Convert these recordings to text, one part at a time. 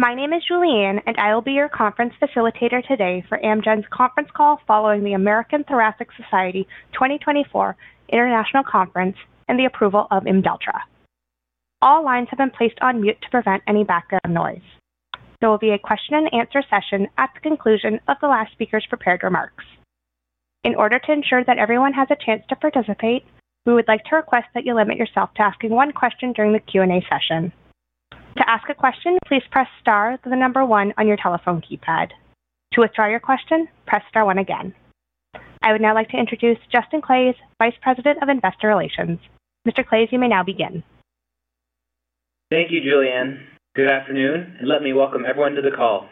My name is Julianne, and I will be your conference facilitator today for Amgen's conference call following the American Thoracic Society 2024 International Conference and the approval of IMDELTRA. All lines have been placed on mute to prevent any background noise. There will be a question and answer session at the conclusion of the last speaker's prepared remarks. In order to ensure that everyone has a chance to participate, we would like to request that you limit yourself to asking one question during the Q&A session. To ask a question, please press star, the number one on your telephone keypad. To withdraw your question, press star one again. I would now like to introduce Justin Claeys, Vice President of Investor Relations. Mr. Claeys, you may now begin. Thank you, Julianne. Good afternoon, and let me welcome everyone to the call.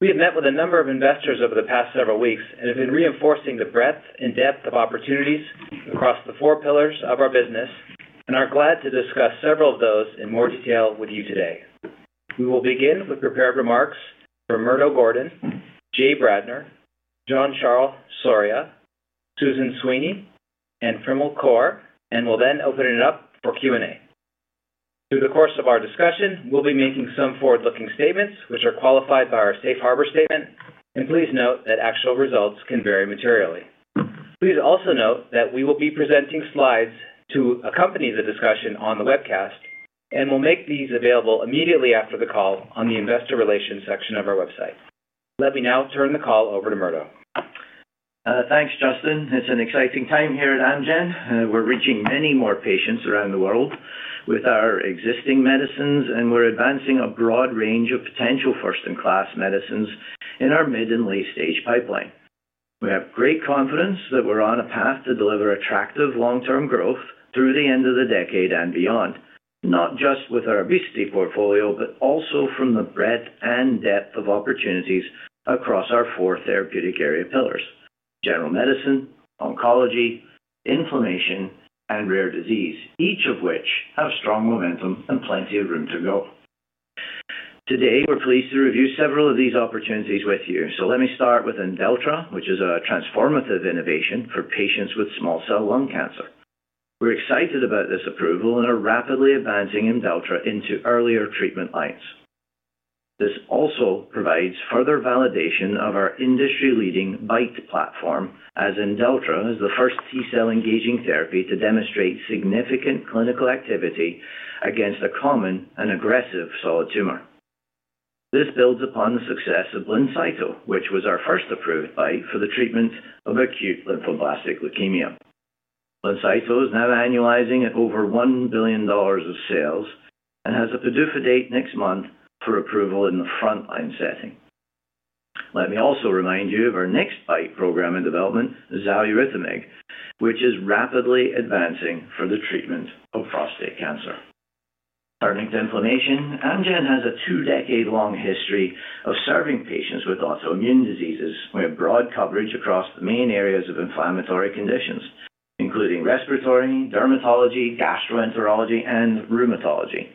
We have met with a number of investors over the past several weeks and have been reinforcing the breadth and depth of opportunities across the four pillars of our business and are glad to discuss several of those in more detail with you today. We will begin with prepared remarks from Murdo Gordon, Jay Bradner, Jean-Charles Soria, Susan Sweeney, and Primal Kaur, and we'll then open it up for Q&A. Through the course of our discussion, we'll be making some forward-looking statements which are qualified by our safe harbor statement, and please note that actual results can vary materially. Please also note that we will be presenting slides to accompany the discussion on the webcast, and we'll make these available immediately after the call on the Investor Relations section of our website. Let me now turn the call over to Murdo. Thanks, Justin. It's an exciting time here at Amgen. We're reaching many more patients around the world with our existing medicines, and we're advancing a broad range of potential first-in-class medicines in our mid- and late-stage pipeline. We have great confidence that we're on a path to deliver attractive long-term growth through the end of the decade and beyond, not just with our obesity portfolio, but also from the breadth and depth of opportunities across our four therapeutic area pillars: general medicine, oncology, inflammation, and rare disease, each of which have strong momentum and plenty of room to go. Today, we're pleased to review several of these opportunities with you. Let me start with IMDELTRA, which is a transformative innovation for patients with small cell lung cancer. We're excited about this approval and are rapidly advancing IMDELTRA into earlier treatment lines. This also provides further validation of our industry-leading BiTE platform, as IMDELTRA is the first T-cell engaging therapy to demonstrate significant clinical activity against a common and aggressive solid tumor. This builds upon the success of BLINCYTO, which was our first approved BiTE for the treatment of acute lymphoblastic leukemia. BLINCYTO is now annualizing at over $1 billion of sales and has a PDUFA date next month for approval in the frontline setting. Let me also remind you of our next BiTE program in development, xaluritamig, which is rapidly advancing for the treatment of prostate cancer. Turning to inflammation, Amgen has a two-decade-long history of serving patients with autoimmune diseases. We have broad coverage across the main areas of inflammatory conditions, including respiratory, dermatology, gastroenterology, and rheumatology.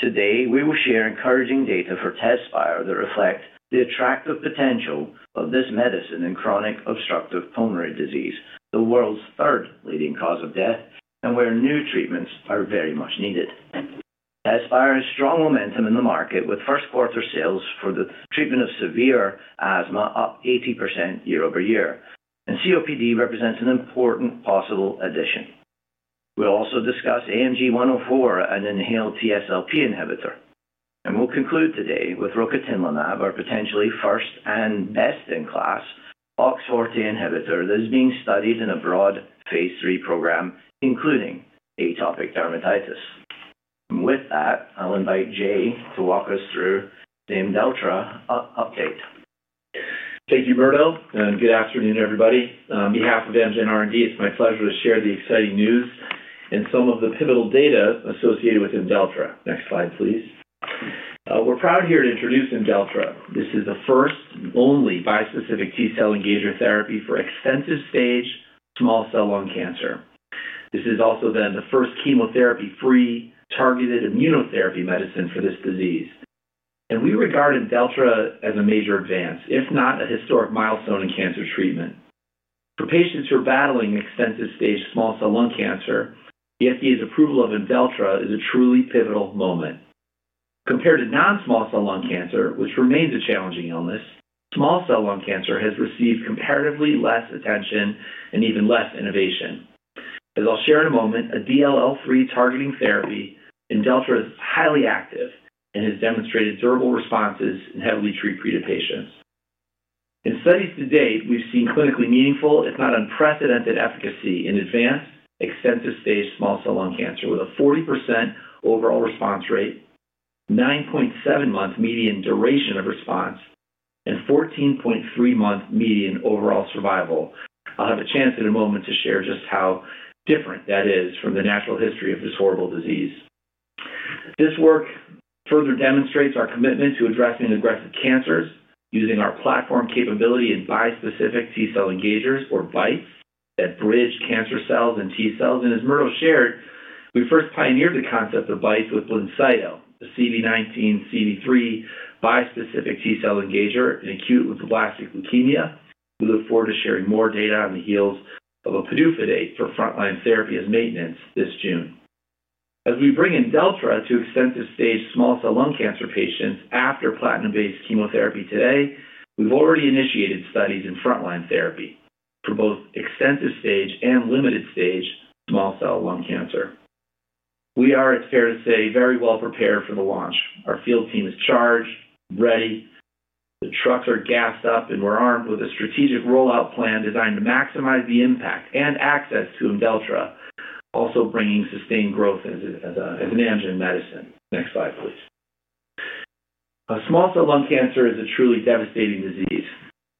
Today, we will share encouraging data for TEZSPIRE that reflect the attractive potential of this medicine in chronic obstructive pulmonary disease, the world's third leading cause of death, and where new treatments are very much needed. TEZSPIRE has strong momentum in the market, with first quarter sales for the treatment of severe asthma up 80% year-over-year, and COPD represents an important possible addition. We'll also discuss AMG 104, an inhaled TSLP inhibitor, and we'll conclude today with rocatinlimab, our potentially first- and best-in-class OX40 inhibitor that is being studied in a broad phase III program, including atopic dermatitis. With that, I'll invite Jay to walk us through the IMDELTRA update. Thank you, Murdo, and good afternoon, everybody. On behalf of Amgen R&D, it's my pleasure to share the exciting news and some of the pivotal data associated with IMDELTRA. Next slide, please. We're proud here to introduce IMDELTRA. This is the first and only bispecific T-cell engager therapy for extensive stage small cell lung cancer. This is also then the first chemotherapy-free targeted immunotherapy medicine for this disease, and we regard IMDELTRA as a major advance, if not a historic milestone in cancer treatment. For patients who are battling extensive stage small cell lung cancer, the FDA's approval of IMDELTRA is a truly pivotal moment. Compared to non-small cell lung cancer, which remains a challenging illness, small cell lung cancer has received comparatively less attention and even less innovation. As I'll share in a moment, a DLL3 targeting therapy, IMDELTRA, is highly active and has demonstrated durable responses in heavily treated patients. In studies to date, we've seen clinically meaningful, if not unprecedented, efficacy in advanced extensive-stage small cell lung cancer with a 40% overall response rate, 9.7-month median duration of response, and 14.3-month median overall survival. I'll have a chance in a moment to share just how different that is from the natural history of this horrible disease. This work further demonstrates our commitment to addressing aggressive cancers using our platform capability in bispecific T-cell engagers, or BiTE, that bridge cancer cells and T-cells. And as Murdo shared, we first pioneered the concept of BiTE with BLINCYTO, the CD19/CD3 bispecific T-cell engager in acute lymphoblastic leukemia.... We look forward to sharing more data on the heels of a PDUFA date for frontline therapy as maintenance this June. As we bring in IMDELTRA to extensive-stage small cell lung cancer patients after platinum-based chemotherapy today, we've already initiated studies in frontline therapy for both extensive stage and limited stage small cell lung cancer. We are, it's fair to say, very well prepared for the launch. Our field team is charged, ready, the trucks are gassed up, and we're armed with a strategic rollout plan designed to maximize the impact and access to IMDELTRA, also bringing sustained growth as a, as Amgen medicine. Next slide, please. Small cell lung cancer is a truly devastating disease,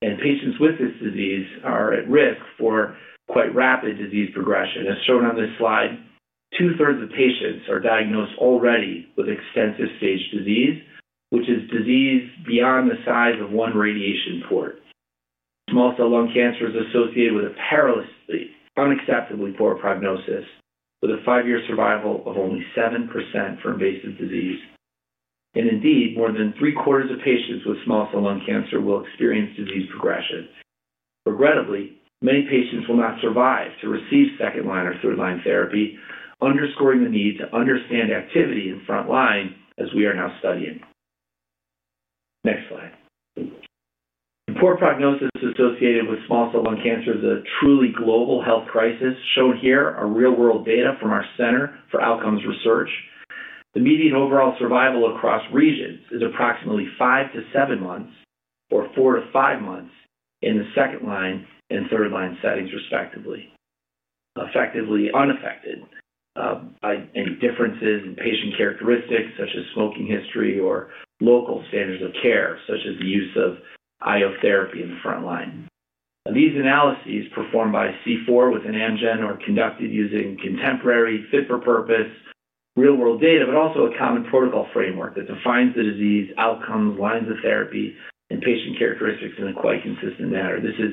and patients with this disease are at risk for quite rapid disease progression. As shown on this slide, two-thirds of patients are diagnosed already with extensive stage disease, which is disease beyond the size of one radiation port. Small cell lung cancer is associated with a perilously, unacceptably poor prognosis, with a five-year survival of only 7% for invasive disease. And indeed, more than three-quarters of patients with small cell lung cancer will experience disease progression. Regrettably, many patients will not survive to receive second-line or third-line therapy, underscoring the need to understand activity in front line as we are now studying. Next slide. The poor prognosis associated with small cell lung cancer is a truly global health crisis, shown here, a real-world data from our Center for Outcomes Research. The median overall survival across regions is approximately 5 months-7 months or 4 months-5 months in the second-line and third-line settings, respectively. Effectively unaffected by any differences in patient characteristics, such as smoking history or local standards of care, such as the use of IO therapy in the front line. These analyses, performed by CfOR with Amgen, are conducted using contemporary, fit-for-purpose, real-world data, but also a common protocol framework that defines the disease, outcomes, lines of therapy, and patient characteristics in a quite consistent manner. This is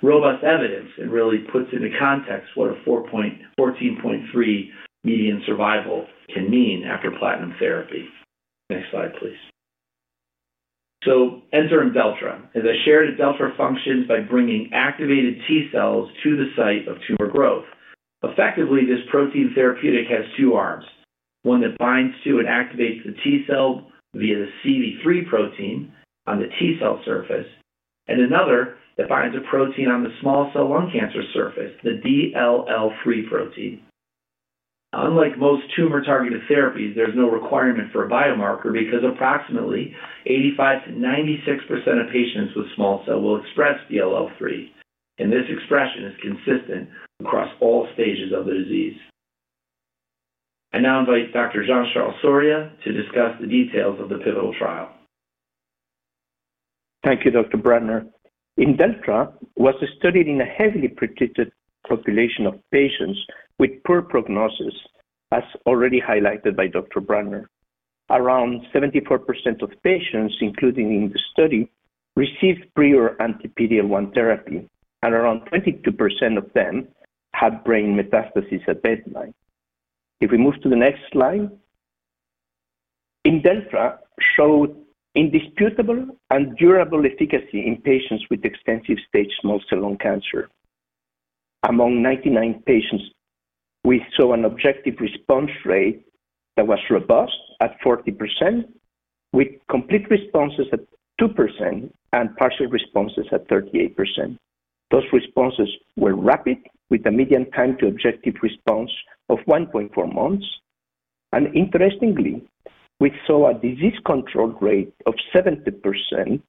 robust evidence and really puts into context what a 14.3 median survival can mean after platinum therapy. Next slide, please. So enter IMDELTRA. As I shared, IMDELTRA functions by bringing activated T-cells to the site of tumor growth. Effectively, this protein therapeutic has two arms: one that binds to and activates the T-cell via the CD3 protein on the T-cell surface, and another that binds a protein on the small cell lung cancer surface, the DLL3 protein. Unlike most tumor-targeted therapies, there's no requirement for a biomarker because approximately 85%-96% of patients with small cell will express DLL3, and this expression is consistent across all stages of the disease. I now invite Dr. Jean-Charles Soria to discuss the details of the pivotal trial. Thank you, Dr. Bradner. IMDELTRA was studied in a heavily protected population of patients with poor prognosis, as already highlighted by Dr. Bradner. Around 74% of patients included in the study received prior anti-PD-1 therapy, and around 22% of them had brain metastasis at baseline. If we move to the next slide. IMDELTRA showed indisputable and durable efficacy in patients with extensive-stage small cell lung cancer. Among 99 patients, we saw an objective response rate that was robust at 40%, with complete responses at 2% and partial responses at 38%. Those responses were rapid, with a median time to objective response of 1.4 months. And interestingly, we saw a disease control rate of 70%,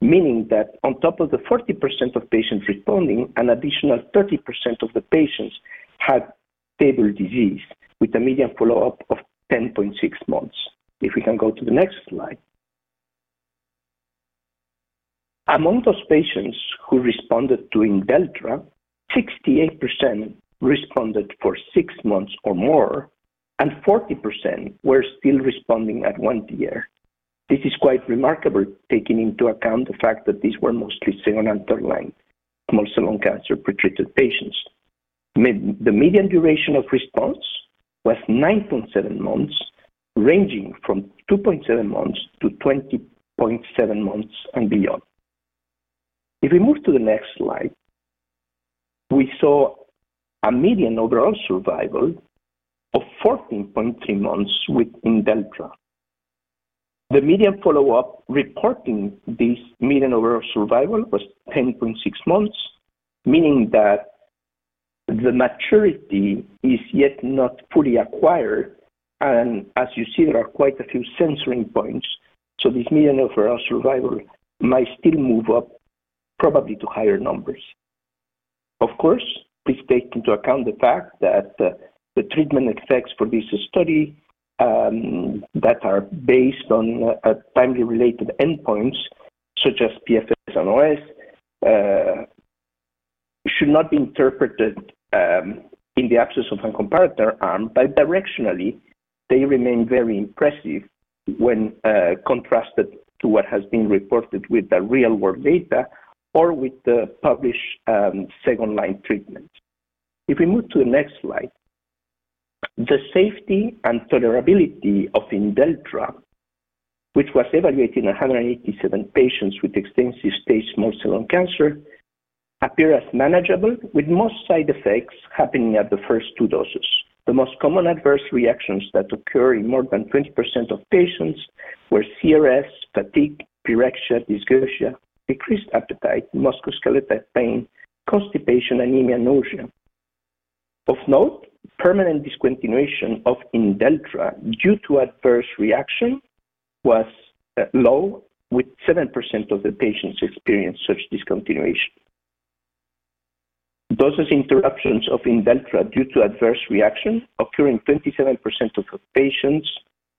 meaning that on top of the 40% of patients responding, an additional 30% of the patients had stable disease with a median follow-up of 10.6 months. If we can go to the next slide. Among those patients who responded to IMDELTRA, 68% responded for six months or more, and 40% were still responding at one year. This is quite remarkable, taking into account the fact that these were mostly second and third line small cell lung cancer for treated patients. The median duration of response was 9.7 months, ranging from 2.7 months-20.7 months and beyond. If we move to the next slide, we saw a median overall survival of 14.3 months with IMDELTRA. The median follow-up reporting this median overall survival was 10.6 months, meaning that the maturity is yet not fully acquired, and as you see, there are quite a few censoring points, so this median overall survival might still move up, probably to higher numbers. Of course, please take into account the fact that the treatment effects for this study, that are based on time-related endpoints, such as PFS and OS, should not be interpreted, in the absence of a comparator arm, but directionally, they remain very impressive when, contrasted to what has been reported with the real-world data or with the published, second line treatment. If we move to the next slide. The safety and tolerability of IMDELTRA, which was evaluated in 187 patients with extensive stage small cell lung cancer, appear as manageable, with most side effects happening at the first two doses. The most common adverse reactions that occur in more than 20% of patients were CRS, fatigue, pyrexia, dysgeusia, decreased appetite, musculoskeletal pain, constipation, anemia, nausea. Of note, permanent discontinuation of IMDELTRA due to adverse reaction was low, with 7% of the patients experienced such discontinuation. Dose interruptions of IMDELTRA due to adverse reaction occurring 27% of the patients,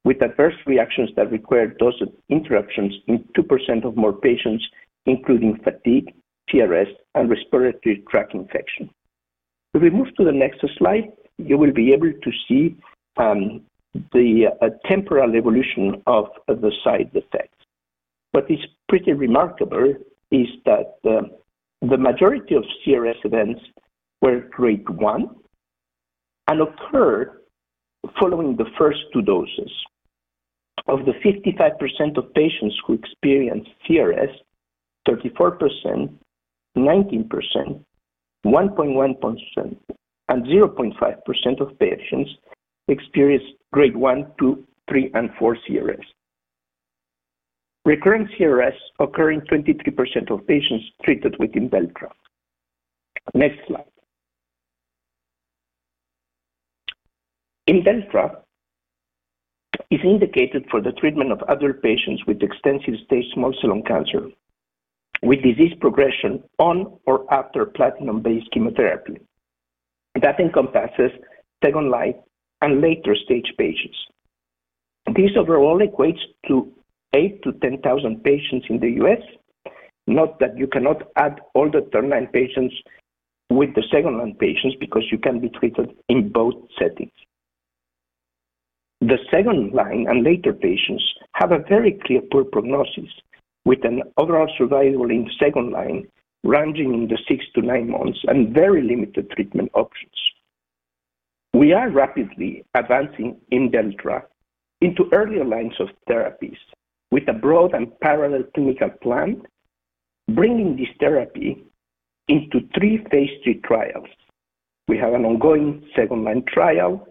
with adverse reactions that required dose interruptions in 2% or more patients, including fatigue, CRS, and respiratory tract infection. If we move to the next slide, you will be able to see, the temporal evolution of the side effects. What is pretty remarkable is that the majority of CRS events were grade one and occurred following the first two doses. Of the 55% of patients who experienced CRS, 34%, 19%, 1.1%, and 0.5% of patients experienced grade one, two, three, and four CRS. Recurrent CRS occurring 23% of patients treated with IMDELTRA. Next slide. IMDELTRA is indicated for the treatment of other patients with extensive stage small cell lung cancer, with disease progression on or after platinum-based chemotherapy. That encompasses second line and later stage patients. This overall equates to 8,000-10,000 patients in the U.S. Note that you cannot add all the terminal patients with the second line patients because you can be treated in both settings. The second-line and later patients have a very clear poor prognosis, with an overall survival in second-line ranging in the six months-nine months and very limited treatment options. We are rapidly advancing IMDELTRA into earlier lines of therapies with a broad and parallel clinical plan, bringing this therapy into three phase III trials. We have an ongoing second-line trial,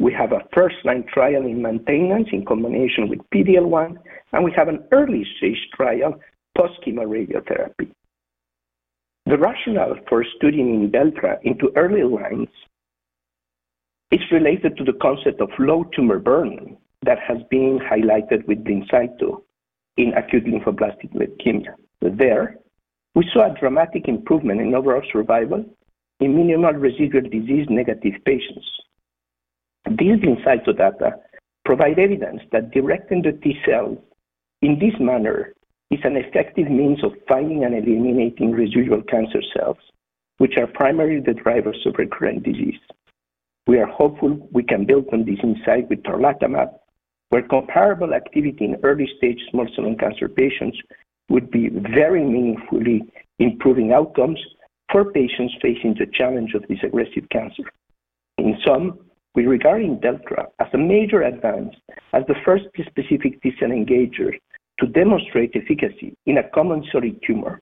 we have a first-line trial in maintenance in combination with PD-L1, and we have an early-stage trial plus chemo radiotherapy. The rationale for studying IMDELTRA into early lines is related to the concept of low tumor burden that has been highlighted with BLINCYTO in acute lymphoblastic leukemia. There, we saw a dramatic improvement in overall survival in minimal residual disease-negative patients. These BLINCYTO data provide evidence that directing the T-cell in this manner is an effective means of finding and eliminating residual cancer cells, which are primarily the drivers of recurrent disease. We are hopeful we can build on this insight with tarlatamab, where comparable activity in early stage small cell lung cancer patients would be very meaningfully improving outcomes for patients facing the challenge of this aggressive cancer. In sum, we regard IMDELTRA as a major advance as the first bispecific T-cell engager to demonstrate efficacy in a common solid tumor,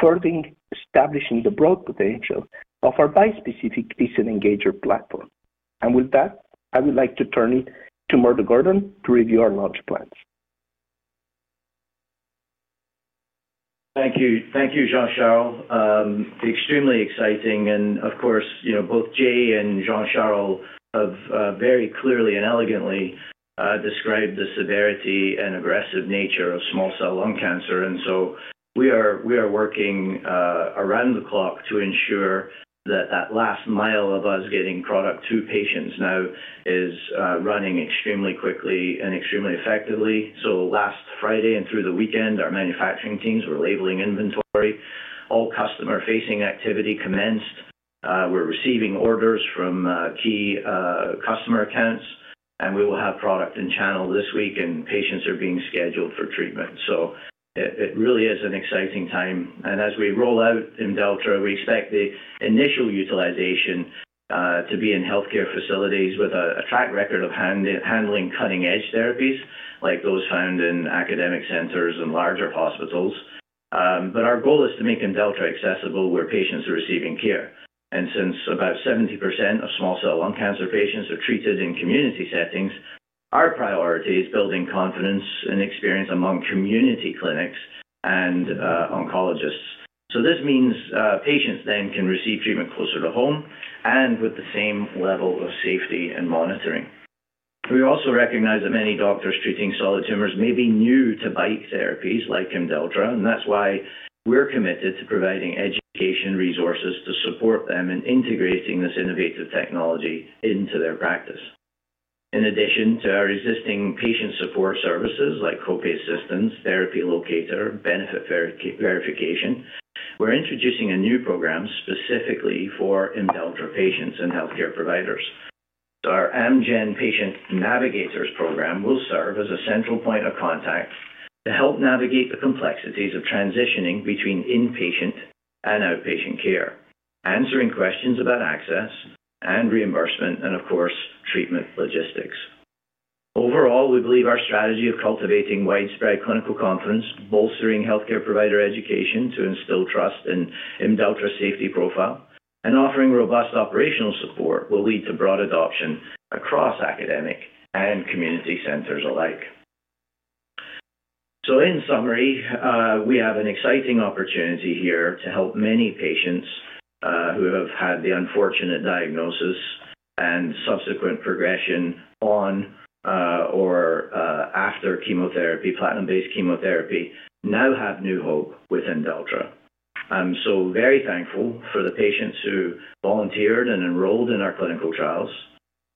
further establishing the broad potential of our bispecific T-cell engager platform. With that, I would like to turn it to Murdo Gordon to review our launch plans. Thank you. Thank you, Jean-Charles. Extremely exciting and of course, you know, both Jay and Jean-Charles have very clearly and elegantly described the severity and aggressive nature of small cell lung cancer. And so we are working around the clock to ensure that that last mile of us getting product to patients now is running extremely quickly and extremely effectively. So last Friday and through the weekend, our manufacturing teams were labeling inventory. All customer-facing activity commenced. We're receiving orders from key customer accounts, and we will have product in channel this week, and patients are being scheduled for treatment. So it really is an exciting time. As we roll out IMDELTRA, we expect the initial utilization to be in healthcare facilities with a track record of handling cutting-edge therapies like those found in academic centers and larger hospitals. But our goal is to make IMDELTRA accessible where patients are receiving care. Since about 70% of small cell lung cancer patients are treated in community settings, our priority is building confidence and experience among community clinics and oncologists. This means patients then can receive treatment closer to home and with the same level of safety and monitoring. We also recognize that many doctors treating solid tumors may be new to biotherapies like IMDELTRA, and that's why we're committed to providing education resources to support them in integrating this innovative technology into their practice. In addition to our existing patient support services like copay assistance, therapy locator, benefit verification, we're introducing a new program specifically for IMDELTRA patients and healthcare providers. Our Amgen Patient Navigators program will serve as a central point of contact to help navigate the complexities of transitioning between inpatient and outpatient care, answering questions about access and reimbursement, and of course, treatment logistics. Overall, we believe our strategy of cultivating widespread clinical confidence, bolstering healthcare provider education to instill trust in IMDELTRA safety profile, and offering robust operational support will lead to broad adoption across academic and community centers alike. So in summary, we have an exciting opportunity here to help many patients, who have had the unfortunate diagnosis and subsequent progression on, or, after chemotherapy, platinum-based chemotherapy, now have new hope with IMDELTRA. I'm so very thankful for the patients who volunteered and enrolled in our clinical trials,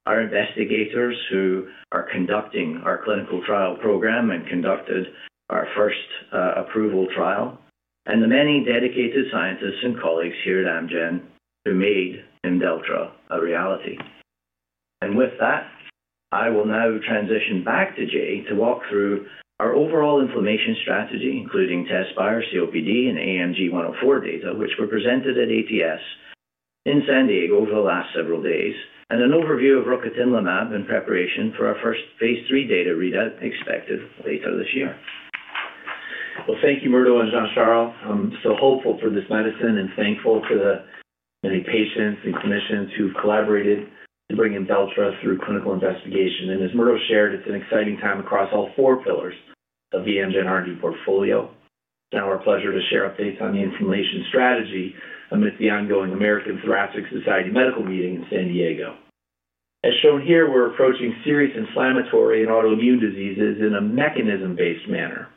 our investigators who are conducting our clinical trial program and conducted our first, approval trial, and the many dedicated scientists and colleagues here at Amgen who made IMDELTRA a reality. And with that, I will now transition back to Jay to walk through our overall inflammation strategy, including TEZSPIRE, COPD, and AMG 104 data, which were presented at ATS in San Diego over the last several days, and an overview of Rocatinlimab in preparation for our first phase three data readout expected later this year. Well, thank you, Murdo and Jean-Charles. I'm so hopeful for this medicine and thankful to the many patients and clinicians who've collaborated to bring IMDELTRA through clinical investigation. And as Murdo shared, it's an exciting time across all four pillars of the Amgen RD portfolio. It's now our pleasure to share updates on the inflammation strategy amidst the ongoing American Thoracic Society Medical Meeting in San Diego. As shown here, we're approaching serious inflammatory and autoimmune diseases in a mechanism-based manner,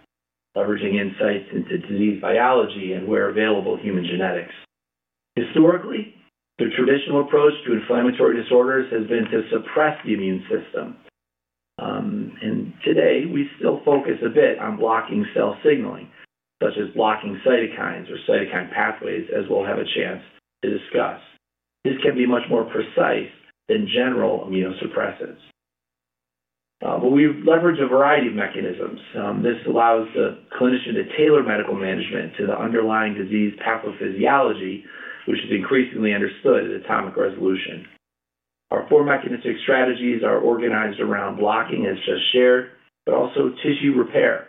leveraging insights into disease biology and, where available, human genetics. Historically, the traditional approach to inflammatory disorders has been to suppress the immune system. And today, we still focus a bit on blocking cell signaling, such as blocking cytokines or cytokine pathways, as we'll have a chance to discuss. This can be much more precise than general immunosuppressants. But we've leveraged a variety of mechanisms. This allows the clinician to tailor medical management to the underlying disease pathophysiology, which is increasingly understood at atomic resolution. Our four mechanistic strategies are organized around blocking, as just shared, but also tissue repair.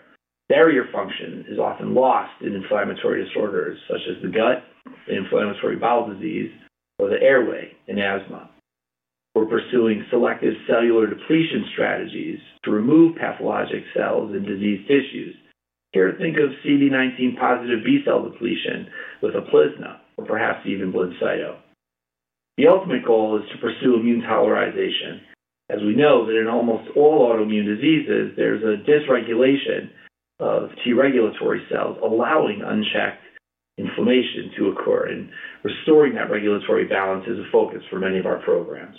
Barrier function is often lost in inflammatory disorders such as the gut, in inflammatory bowel disease, or the airway in asthma. We're pursuing selective cellular depletion strategies to remove pathologic cells in diseased tissues. Here, think of CD19 positive B-cell depletion with UPLIZNA or perhaps even BLINCYTO. The ultimate goal is to pursue immune tolerization, as we know that in almost all autoimmune diseases, there's a dysregulation of T-regulatory cells, allowing unchecked inflammation to occur, and restoring that regulatory balance is a focus for many of our programs.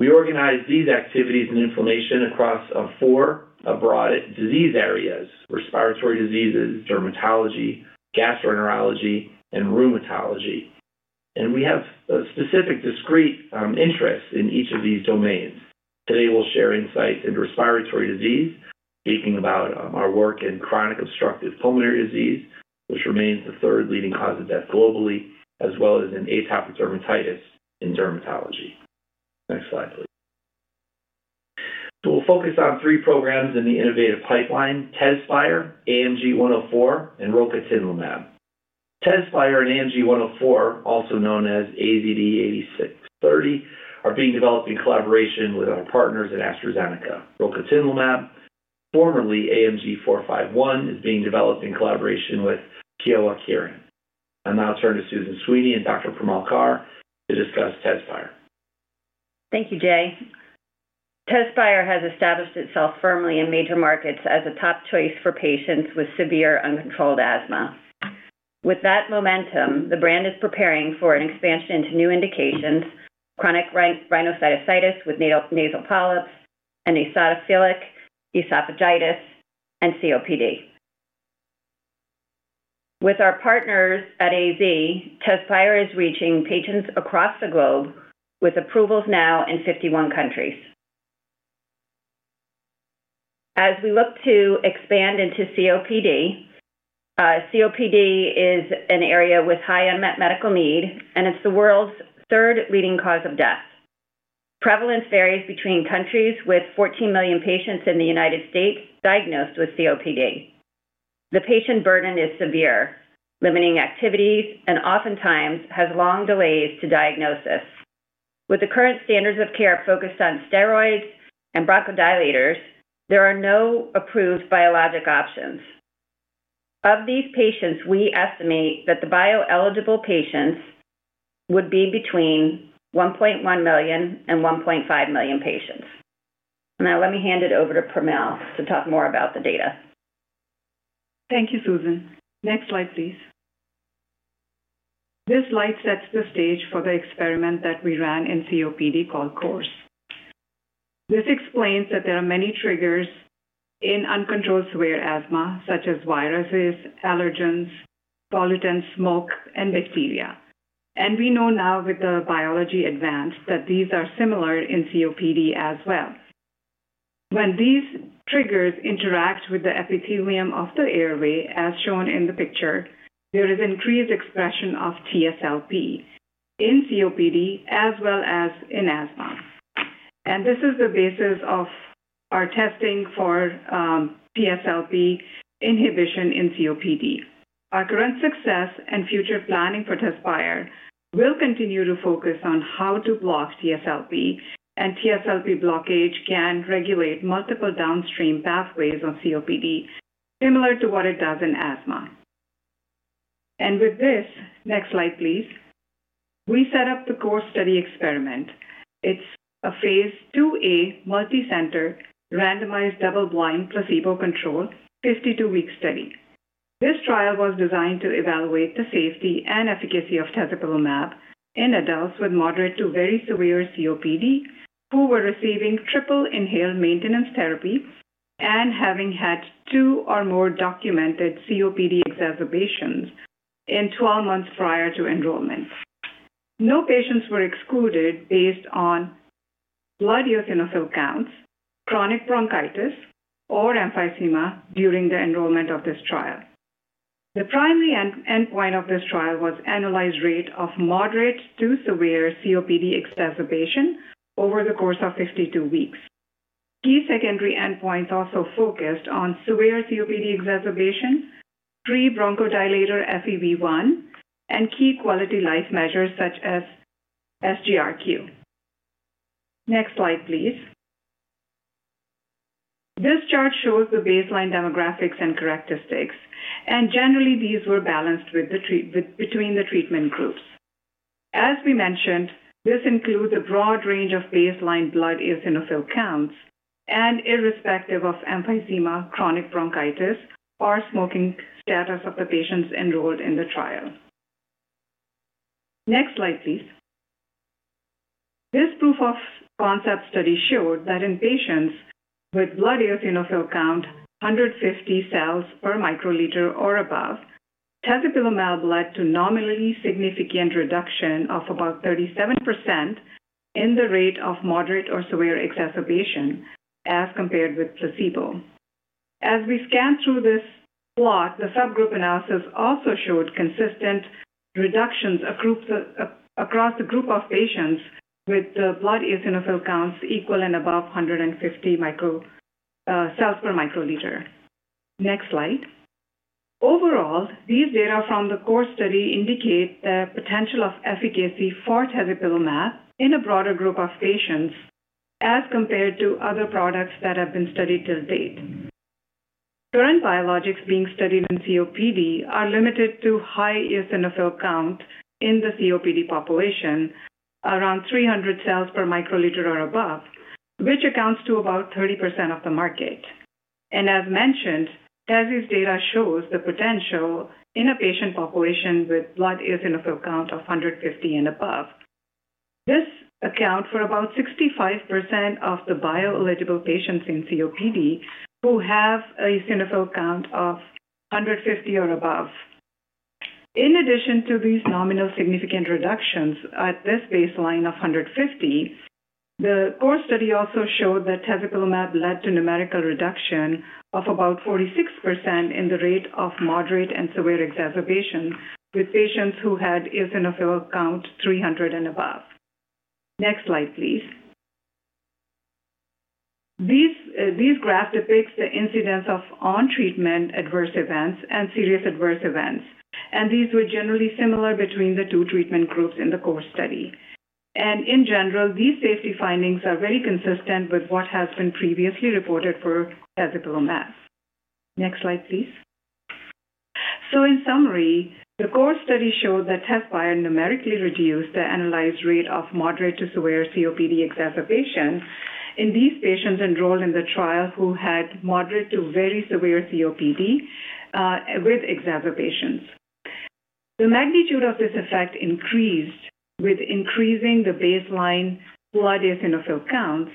We organize these activities and inflammation across four broad disease areas: respiratory diseases, dermatology, gastroenterology, and rheumatology. We have a specific discrete interest in each of these domains. Today, we'll share insights into respiratory disease, speaking about our work in chronic obstructive pulmonary disease, which remains the third leading cause of death globally, as well as in atopic dermatitis in dermatology. Next slide, please. We'll focus on three programs in the innovative pipeline, TEZSPIRE, AMG 104, and rocatinlimab. TEZSPIRE and AMG 104, also known as AZD8630, are being developed in collaboration with our partners at AstraZeneca. Rocatinlimab, formerly AMG 451, is being developed in collaboration with Kyowa Kirin. I'll now turn to Susan Sweeney and Dr. Primal Kaur to discuss TEZSPIRE. Thank you, Jay. TEZSPIRE has established itself firmly in major markets as a top choice for patients with severe uncontrolled asthma. With that momentum, the brand is preparing for an expansion into new indications, chronic rhinosinusitis with nasal polyps and eosinophilic esophagitis and COPD. With our partners at AZ, TEZSPIRE is reaching patients across the globe, with approvals now in 51 countries. As we look to expand into COPD, COPD is an area with high unmet medical need, and it's the world's third leading cause of death. Prevalence varies between countries, with 14 million patients in the United States diagnosed with COPD. The patient burden is severe, limiting activities and oftentimes has long delays to diagnosis. With the current standards of care focused on steroids and bronchodilators, there are no approved biologic options. Of these patients, we estimate that the bio-eligible patients would be between 1.1 million and 1.5 million patients. Now, let me hand it over to Premal to talk more about the data. Thank you, Susan. Next slide, please. This slide sets the stage for the experiment that we ran in COPD called COURSE. This explains that there are many triggers in uncontrolled severe asthma, such as viruses, allergens, pollutants, smoke, and bacteria. We know now with the biology advance, that these are similar in COPD as well. When these triggers interact with the epithelium of the airway, as shown in the picture, there is increased expression of TSLP in COPD as well as in asthma. This is the basis of our testing for TSLP inhibition in COPD. Our current success and future planning for TEZSPIRE will continue to focus on how to block TSLP, and TSLP blockage can regulate multiple downstream pathways of COPD, similar to what it does in asthma. With this, next slide, please. We set up the COURSE study experiment. It's a Phase II A, multicenter, randomized, double-blind, placebo-controlled, 52-week study. This trial was designed to evaluate the safety and efficacy of tezepelumab in adults with moderate to very severe COPD, who were receiving triple inhaled maintenance therapy and having had 2 or more documented COPD exacerbations in 12 months prior to enrollment. No patients were excluded based on blood eosinophil counts, chronic bronchitis, or emphysema during the enrollment of this trial. The primary endpoint of this trial was annualized rate of moderate to severe COPD exacerbation over the course of 52 weeks. Key secondary endpoints also focused on severe COPD exacerbation, three bronchodilator FEV1, and key quality of life measures such as SGRQ. Next slide, please. This chart shows the baseline demographics and characteristics, and generally, these were balanced between the treatment groups. As we mentioned, this includes a broad range of baseline blood eosinophil counts and irrespective of emphysema, chronic bronchitis, or smoking status of the patients enrolled in the trial. Next slide, please. This proof of concept study showed that in patients with blood eosinophil count, 150 cells per microliter or above, tezepelumab led to nominally significant reduction of about 37% in the rate of moderate or severe exacerbation as compared with placebo. As we scan through this plot, the subgroup analysis also showed consistent reductions of groups across the group of patients with blood eosinophil counts equal and above 150 cells per microliter. Next slide. Overall, these data from the core study indicate the potential of efficacy for tezepelumab in a broader group of patients as compared to other products that have been studied to date. Current biologics being studied in COPD are limited to high eosinophil count in the COPD population, around 300 cells per microliter or above, which accounts for about 30% of the market. And as mentioned, TEZSPIRE's data shows the potential in a patient population with blood eosinophil count of 150 and above. This accounts for about 65% of the bio-eligible patients in COPD, who have an eosinophil count of 150 or above. In addition to these nominally significant reductions at this baseline of 150, the COURSE study also showed that tezepelumab led to numerical reduction of about 46% in the rate of moderate and severe exacerbations, with patients who had eosinophil count 300 and above. Next slide, please. These, these graph depicts the incidence of on-treatment adverse events and serious adverse events, and these were generally similar between the two treatment groups in the core study. In general, these safety findings are very consistent with what has been previously reported for tezepelumab. Next slide, please. In summary, the core study showed that TEZSPIRE numerically reduced the analyzed rate of moderate to severe COPD exacerbations in these patients enrolled in the trial who had moderate to very severe COPD with exacerbations. The magnitude of this effect increased with increasing the baseline blood eosinophil counts,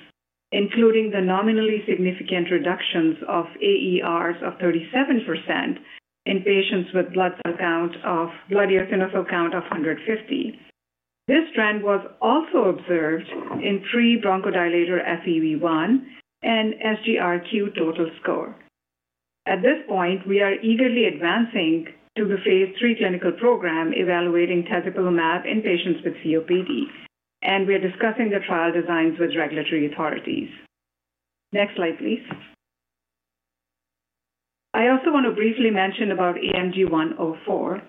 including the nominally significant reductions of AERs of 37% in patients with blood eosinophil count of 150. This trend was also observed in pre-bronchodilator FEV1 and SGRQ total score. At this point, we are eagerly advancing to the phase III clinical program, evaluating tezepelumab in patients with COPD, and we are discussing the trial designs with regulatory authorities. Next slide, please. I also want to briefly mention about AMG-104.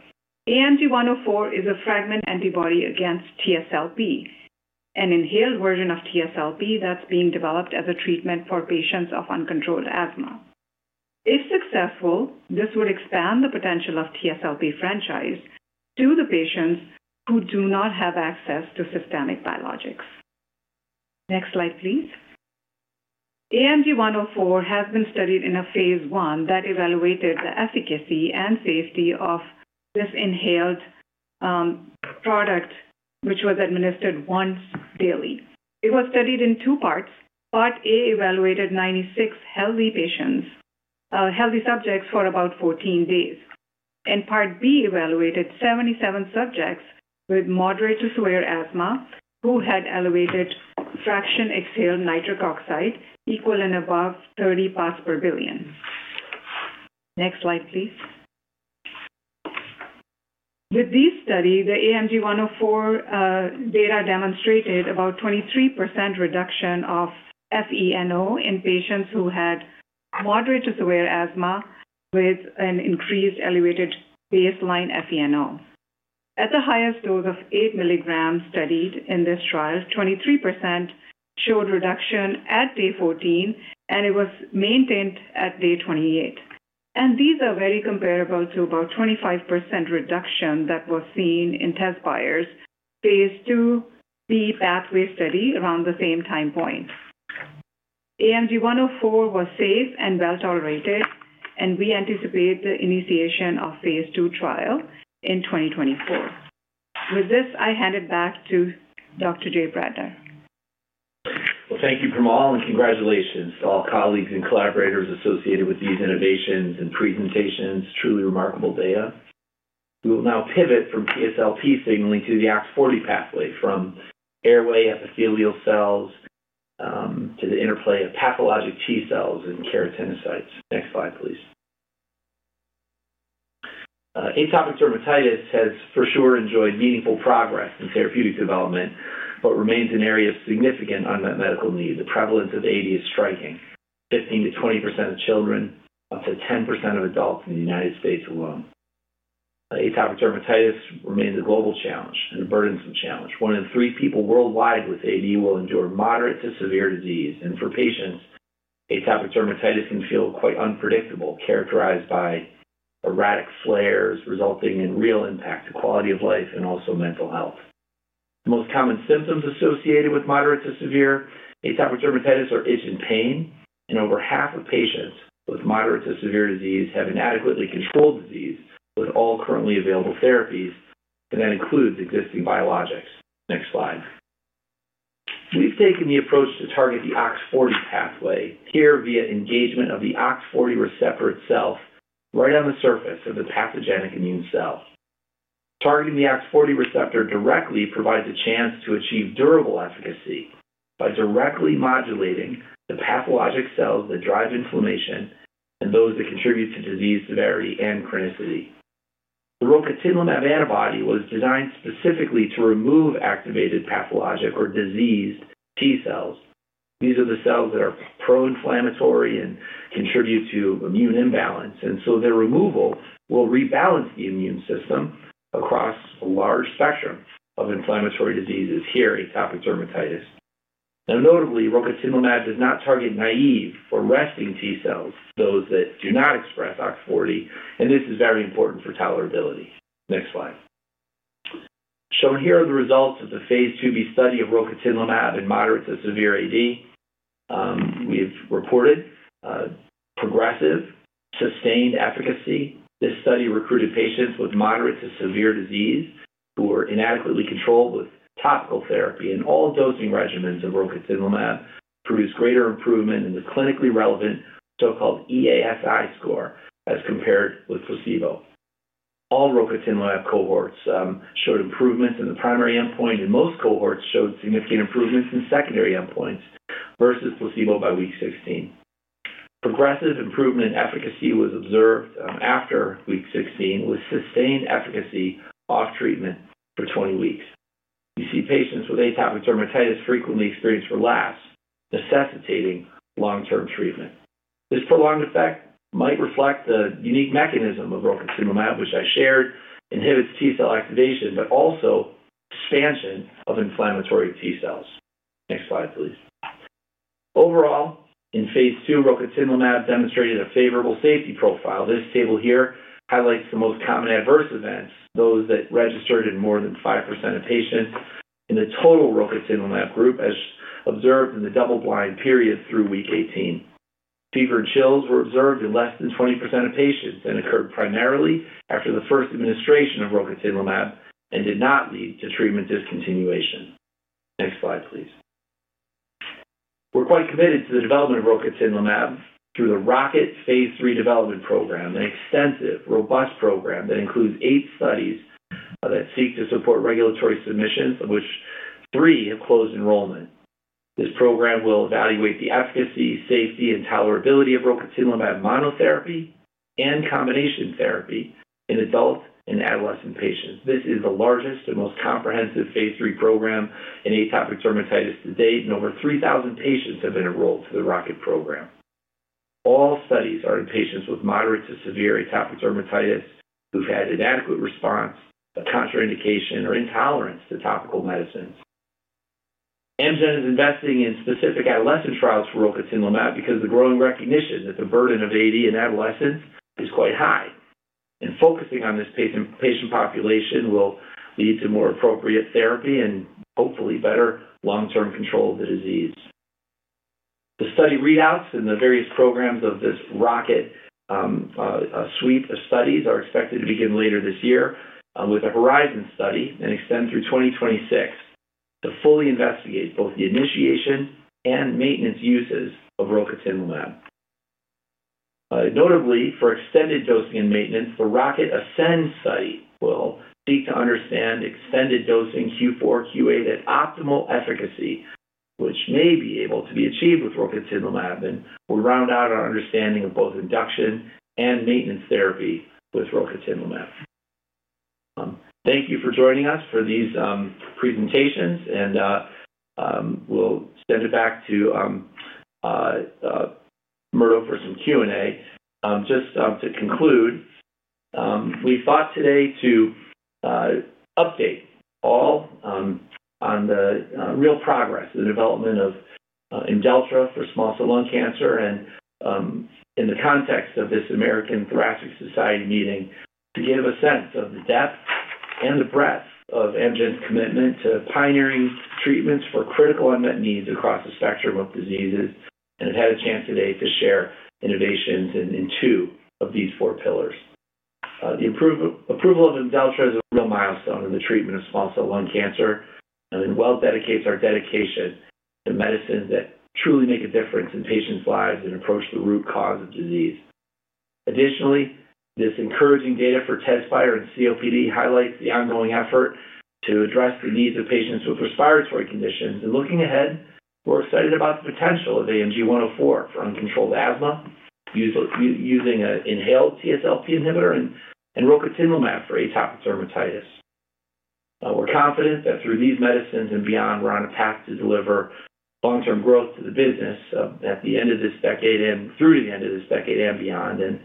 AMG-104 is a fragment antibody against TSLP, an inhaled version of TSLP that's being developed as a treatment for patients of uncontrolled asthma. If successful, this would expand the potential of TSLP franchise to the patients who do not have access to systemic biologics. Next slide, please. AMG-104 has been studied in a phase I that evaluated the efficacy and safety of this inhaled product, which was administered once daily. It was studied in two parts. Part A evaluated 96 healthy subjects for about 14 days. Part B evaluated 77 subjects with moderate to severe asthma, who had elevated fractional exhaled nitric oxide equal and above 30 parts per billion. Next slide, please. With this study, the AMG 104 data demonstrated about 23% reduction of FeNO in patients who had moderate to severe asthma with an increased elevated baseline FeNO. At the highest dose of eight milligrams studied in this trial, 23% showed reduction at day 14, and it was maintained at day 28. And these are very comparable to about 25% reduction that was seen in TEZSPIRE's phase II B pathway study around the same time point. AMG 104 was safe and well tolerated, and we anticipate the initiation of phase II trial in 2024. With this, I hand it back to Dr. Jay Bradner. Well, thank you, Pramod, and congratulations to all colleagues and collaborators associated with these innovations and presentations. Truly remarkable data. We will now pivot from TSLP signaling to the OX40 pathway, from airway epithelial cells, to the interplay of pathologic T cells and keratinocytes. Next slide, please. Atopic dermatitis has for sure enjoyed meaningful progress in therapeutic development, but remains an area of significant unmet medical need. The prevalence of AD is striking, 15%-20% of children, up to 10% of adults in the United States alone. Atopic dermatitis remains a global challenge and a burdensome challenge. One in three people worldwide with AD will endure moderate to severe disease, and for patients, atopic dermatitis can feel quite unpredictable, characterized by erratic flares, resulting in real impact to quality of life and also mental health. The most common symptoms associated with moderate to severe atopic dermatitis are itch and pain, and over half of patients with moderate to severe disease have inadequately controlled disease with all currently available therapies, and that includes existing biologics. Next slide. We've taken the approach to target the OX40 pathway here via engagement of the OX40 receptor itself, right on the surface of the pathogenic immune cell. Targeting the OX40 receptor directly provides a chance to achieve durable efficacy by directly modulating the pathologic cells that drive inflammation and those that contribute to disease severity and chronicity. The rocatinlimab antibody was designed specifically to remove activated, pathologic or diseased T cells. These are the cells that are pro-inflammatory and contribute to immune imbalance, and so their removal will rebalance the immune system across a large spectrum of inflammatory diseases here in atopic dermatitis. Now, notably, rocatinlimab does not target naive or resting T cells, those that do not express OX40, and this is very important for tolerability. Next slide. Shown here are the results of the phase II B study of rocatinlimab in moderate to severe AD. We've reported progressive, sustained efficacy. This study recruited patients with moderate to severe disease who were inadequately controlled with topical therapy, and all dosing regimens of rocatinlimab produced greater improvement in the clinically relevant so-called EASI score as compared with placebo. All rocatinlimab cohorts showed improvements in the primary endpoint, and most cohorts showed significant improvements in secondary endpoints versus placebo by week 16. Progressive improvement in efficacy was observed after week 16, with sustained efficacy off treatment for 20 weeks. You see, patients with atopic dermatitis frequently experience relapse, necessitating long-term treatment. This prolonged effect might reflect the unique mechanism of rocatinlimab, which I shared, inhibits T cell activation, but also expansion of inflammatory T cells. Next slide, please. Overall, in phase II, rocatinlimab demonstrated a favorable safety profile. This table here highlights the most common adverse events, those that registered in more than 5% of patients in the total rocatinlimab group, as observed in the double-blind period through week 18. Fever and chills were observed in less than 20% of patients and occurred primarily after the first administration of rocatinlimab and did not lead to treatment discontinuation. Next slide, please. We're quite committed to the development of rocatinlimab through the ROCKET phase III development program, an extensive, robust program that includes 8 studies that seek to support regulatory submissions, of which three have closed enrollment. This program will evaluate the efficacy, safety, and tolerability of rocatinlimab monotherapy and combination therapy in adult and adolescent patients. This is the largest and most comprehensive phase III program in atopic dermatitis to date, and over 3,000 patients have been enrolled to the ROCKET program. All studies are in patients with moderate to severe atopic dermatitis who've had inadequate response, a contraindication or intolerance to topical medicines. Amgen is investing in specific adolescent trials for rocatinlimab because the growing recognition that the burden of AD in adolescence is quite high, and focusing on this patient population will lead to more appropriate therapy and hopefully better long-term control of the disease. The study readouts and the various programs of this ROCKET suite of studies are expected to begin later this year, with a horizon study and extend through 2026 to fully investigate both the initiation and maintenance uses of rocatinlimab. Notably, for extended dosing and maintenance, the Rocket Ascend study will seek to understand extended dosing Q4, Q8 at optimal efficacy, which may be able to be achieved with rocatinlimab, and we'll round out our understanding of both induction and maintenance therapy with rocatinlimab. Thank you for joining us for these presentations, and we'll send it back to Murdo for some Q&A. Just to conclude, we sought today to update all on the real progress in the development of Imdeltra for small cell lung cancer and, in the context of this American Thoracic Society meeting, to give a sense of the depth and the breadth of Amgen's commitment to pioneering treatments for critical unmet needs across the spectrum of diseases. And have had a chance today to share innovations in two of these four pillars. The approval of IMDELTRA is a real milestone in the treatment of small cell lung cancer, and it well dedicates our dedication to medicines that truly make a difference in patients' lives and approach the root cause of disease. Additionally, this encouraging data for TEZSPIRE and COPD highlights the ongoing effort to address the needs of patients with respiratory conditions. Looking ahead, we're excited about the potential of AMG 104 for uncontrolled asthma, using an inhaled TSLP inhibitor and rocatinlimab for atopic dermatitis. We're confident that through these medicines and beyond, we're on a path to deliver long-term growth to the business, at the end of this decade and through to the end of this decade and beyond, and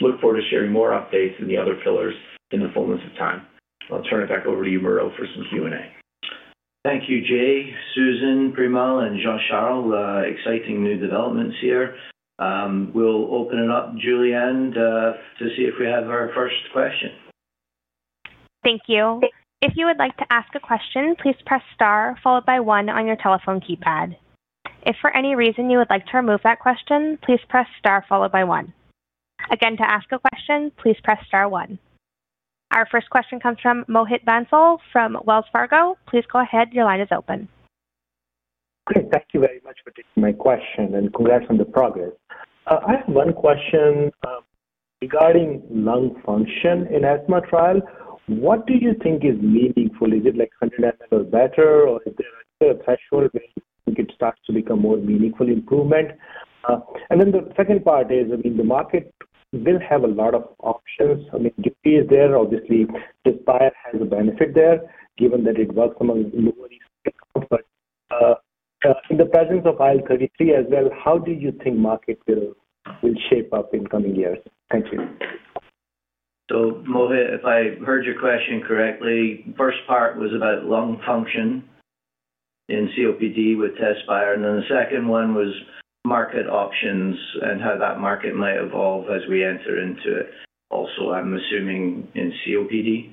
look forward to sharing more updates in the other pillars in the fullness of time. I'll turn it back over to you, Murdo, for some Q&A. Thank you, Jay, Susan, Premal, and Jean-Charles. Exciting new developments here. We'll open it up, Julianne, to see if we have our first question. Thank you. If you would like to ask a question, please press Star followed by one on your telephone keypad. If for any reason you would like to remove that question, please press Star followed by one. Again, to ask a question, please press Star one. Our first question comes from Mohit Bansal from Wells Fargo. Please go ahead. Your line is open. Great. Thank you very much for taking my question, and congrats on the progress. I have one question regarding lung function in asthma trial. What do you think is meaningful? Is it, like, 100 or better, or is there a threshold it starts to become more meaningful improvement? And then the second part is, I mean, the market will have a lot of options. I mean, Dupixent is there. Obviously, TEZSPIRE has a benefit there, given that it works among lowering. In the presence of IL-33 as well, how do you think market will shape up in coming years? Thank you. So, Mohit, if I heard your question correctly, first part was about lung function in COPD with TEZSPIRE, and then the second one was market options and how that market might evolve as we enter into it. Also, I'm assuming in COPD?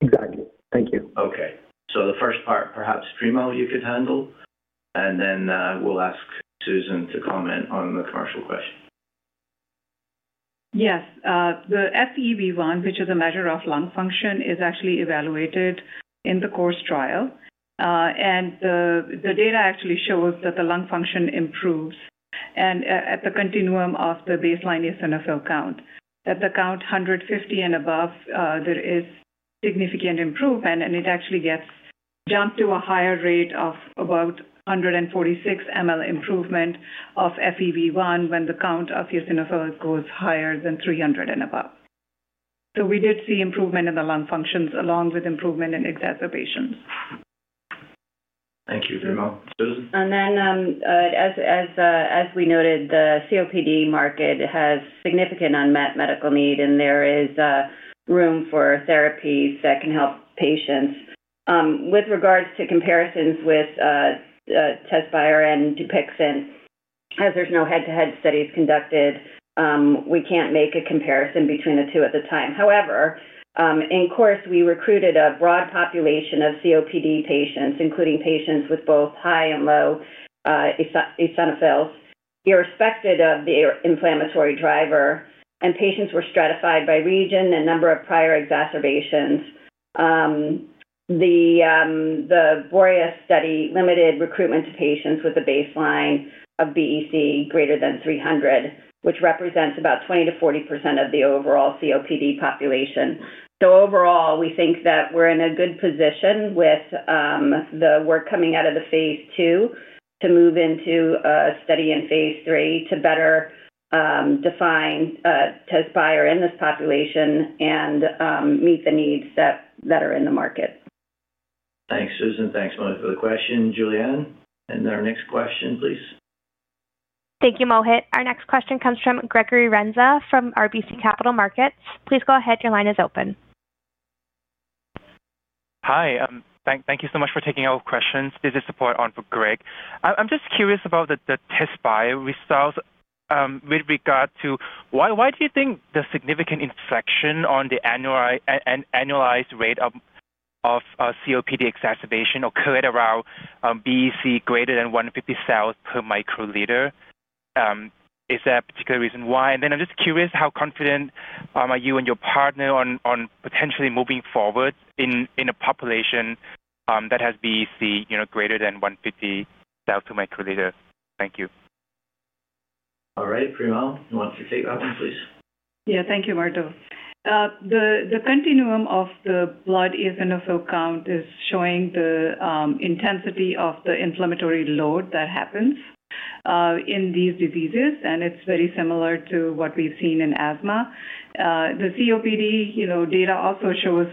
Exactly. Thank you. Okay. So the first part, perhaps, Premal, you could handle, and then, we'll ask Susan to comment on the commercial question. Yes, the FEV1, which is a measure of lung function, is actually evaluated in the COURSE trial. And the, the data actually shows that the lung function improves and at, at the continuum of the baseline eosinophil count. At the count of 150 and above, there is significant improvement, and it actually gets jumped to a higher rate of about 146 mL improvement of FEV1 when the count of eosinophil goes higher than 300 and above. So we did see improvement in the lung functions along with improvement in exacerbations. Thank you, Premal. Susan? As we noted, the COPD market has significant unmet medical need, and there is room for therapies that can help patients. With regards to comparisons with TEZSPIRE and Dupixent, as there's no head-to-head studies conducted, we can't make a comparison between the two at the time. However, in COURSE, we recruited a broad population of COPD patients, including patients with both high and low eosinophils, irrespective of their inflammatory driver, and patients were stratified by region and number of prior exacerbations. The BOREAS study limited recruitment to patients with a baseline of BEC greater than 300, which represents about 20%-40% of the overall COPD population. So overall, we think that we're in a good position with the work coming out of the phase II to move into a study in phase III to better define TEZSPIRE in this population and meet the needs that are in the market. Thanks, Susan. Thanks, Mohit, for the question. Julianne, and our next question, please. Thank you, Mohit. Our next question comes from Gregory Renza, from RBC Capital Markets.Please go ahead. Your line is open. Hi, thank you so much for taking our questions. This is support on for Greg. I'm just curious about the TEZSPIRE results with regard to why do you think the significant inflection on the annualized rate of COPD exacerbation occurred around BEC greater than 150 cells per microliter? Is there a particular reason why? And then I'm just curious, are you and your partner on potentially moving forward in a population that has BEC, you know, greater than 150,000 microliter? Thank you. All right, Primal, you want to take that one, please? Yeah. Thank you, Murdo. The continuum of the blood eosinophil count is showing the intensity of the inflammatory load that happens in these diseases, and it's very similar to what we've seen in asthma. The COPD, you know, data also shows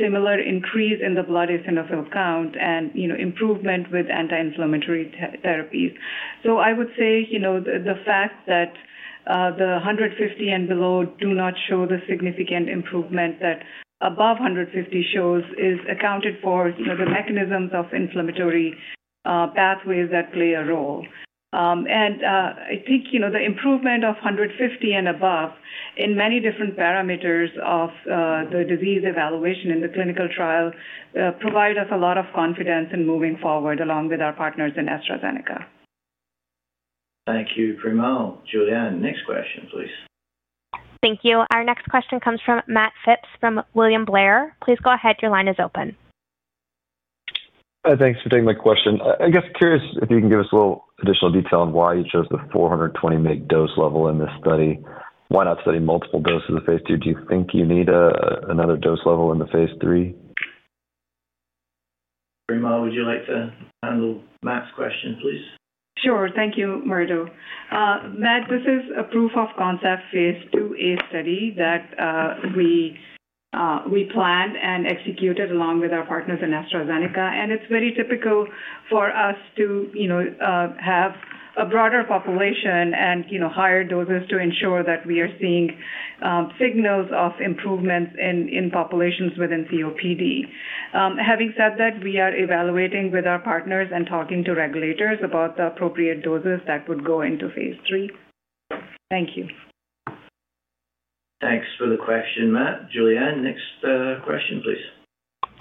similar increase in the blood eosinophil count and, you know, improvement with anti-inflammatory therapies. So I would say, you know, the fact that the 150 and below do not show the significant improvement that above 150 shows is accounted for, you know, the mechanisms of inflammatory pathways that play a role. And I think, you know, the improvement of 150 and above in many different parameters of the disease evaluation in the clinical trial provide us a lot of confidence in moving forward along with our partners in AstraZeneca. Thank you, Primal. Julianne, next question, please. Thank you. Our next question comes from Matt Phipps from William Blair. Please go ahead. Your line is open. Thanks for taking my question. I guess curious if you can give us a little additional detail on why you chose the 420 mg dose level in this study. Why not study multiple doses in the phase II? Do you think you need another dose level in the phase III? PrImal, would you like to handle Matt's question, please? Sure. Thank you, Murdo. Matt, this is a proof of concept phase II A study that we planned and executed along with our partners in AstraZeneca, and it's very typical for us to, you know, have a broader population and, you know, higher doses to ensure that we are seeing signals of improvements in populations within COPD. Having said that, we are evaluating with our partners and talking to regulators about the appropriate doses that would go into phase III. Thank you. Thanks for the question, Matt. Julianne, next question, please.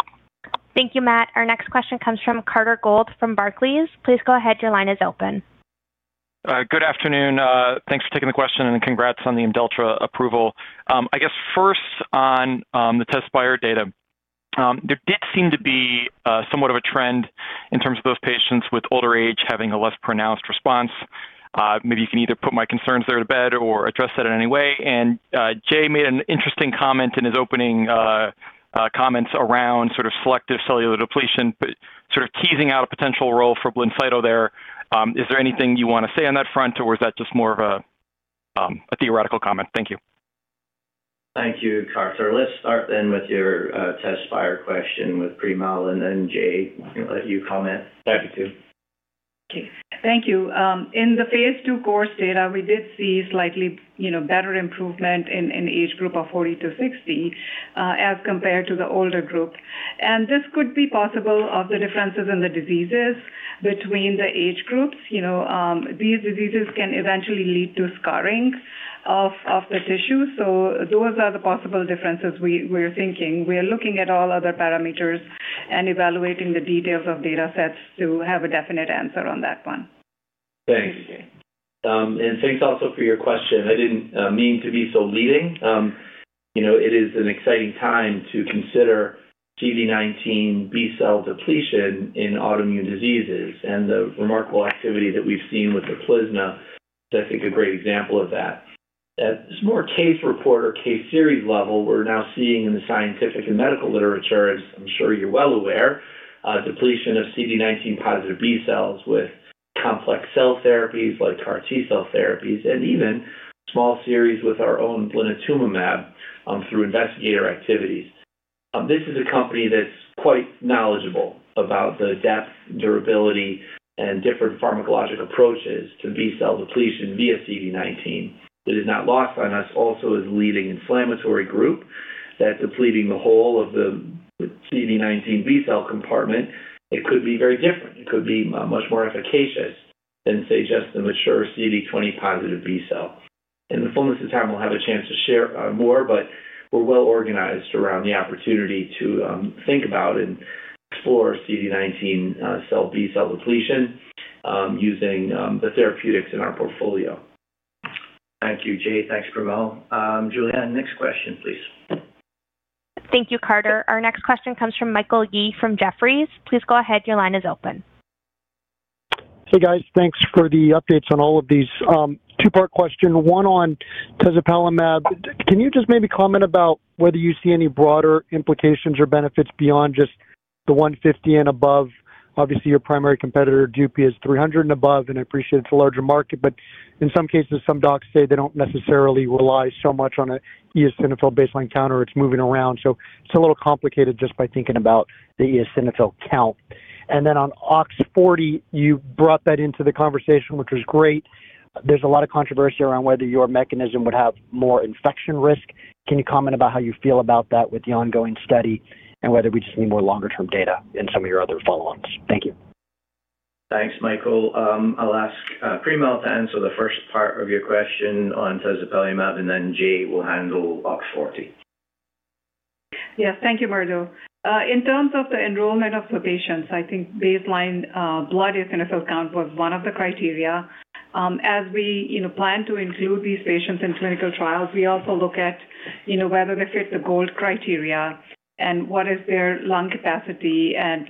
Thank you, Matt. Our next question comes from Carter Gould from Barclays. Please go ahead. Your line is open. Good afternoon. Thanks for taking the question, and congrats on the IMDELTRA approval. I guess first on the TEZSPIRE data. There did seem to be somewhat of a trend in terms of those patients with older age having a less pronounced response. Maybe you can either put my concerns there to bed or address that in any way. Jay made an interesting comment in his opening comments around sort of selective cellular depletion, but sort of teasing out a potential role for BLINCYTO there. Is there anything you want to say on that front, or is that just more of a theoretical comment? Thank you. Thank you, Carter. Let's start then with your TEZSPIRE question with Primal, and then, Jay, we'll let you comment. Thank you. Okay. Thank you. In the phase II COURSE data, we did see slightly, you know, better improvement in the age group of 40-60, as compared to the older group. And this could be possible of the differences in the diseases between the age groups. You know, these diseases can eventually lead to scarring of the tissue. So those are the possible differences we're thinking. We are looking at all other parameters and evaluating the details of datasets to have a definite answer on that one. Thanks. And thanks also for your question. I didn't mean to be so leading. You know, it is an exciting time to consider CD19 B-cell depletion in autoimmune diseases and the remarkable activity that we've seen with UPLIZNA, that's, I think, a great example of that. At this more case report or case series level, we're now seeing in the scientific and medical literature, as I'm sure you're well aware, depletion of CD19 positive B-cells with complex cell therapies like CAR T-cell therapies and even small series with our own blinatumomab through investigator activities. This is a company that's quite knowledgeable about the depth, durability, and different pharmacologic approaches to B-cell depletion via CD19. It is not lost on us also as leading inflammatory group that depleting the whole of the CD19 B-cell compartment, it could be very different. It could be much more efficacious than, say, just the mature CD20 positive B-cell. In the fullness of time, we'll have a chance to share more, but we're well organized around the opportunity to think about and explore CD19 cell B-cell depletion using the therapeutics in our portfolio. Thank you, Jay. Thanks, Primal. Julianne, next question, please. Thank you, Carter. Our next question comes from Michael Yee from Jefferies. Please go ahead. Your line is open. Hey, guys. Thanks for the updates on all of these. 2-part question, one on tezepelumab. Can you just maybe comment about whether you see any broader implications or benefits beyond just the 150 and above? Obviously, your primary competitor, Dupixent, is 300 and above, and I appreciate it's a larger market, but in some cases, some docs say they don't necessarily rely so much on a eosinophil baseline counter. It's moving around, so it's a little complicated just by thinking about the eosinophil count. And then on OX40, you brought that into the conversation, which was great. There's a lot of controversy around whether your mechanism would have more infection risk. Can you comment about how you feel about that with the ongoing study and whether we just need more longer-term data in some of your other follow-ups? Thank you. Thanks, Michael. I'll ask Primal to answer the first part of your question on tezepelumab, and then Jay will handle OX40. Yes. Thank you, Murdo. In terms of the enrollment of the patients, I think baseline blood eosinophil count was one of the criteria. As we, you know, plan to include these patients in clinical trials, we also look at, you know, whether they fit the gold criteria and what is their lung capacity and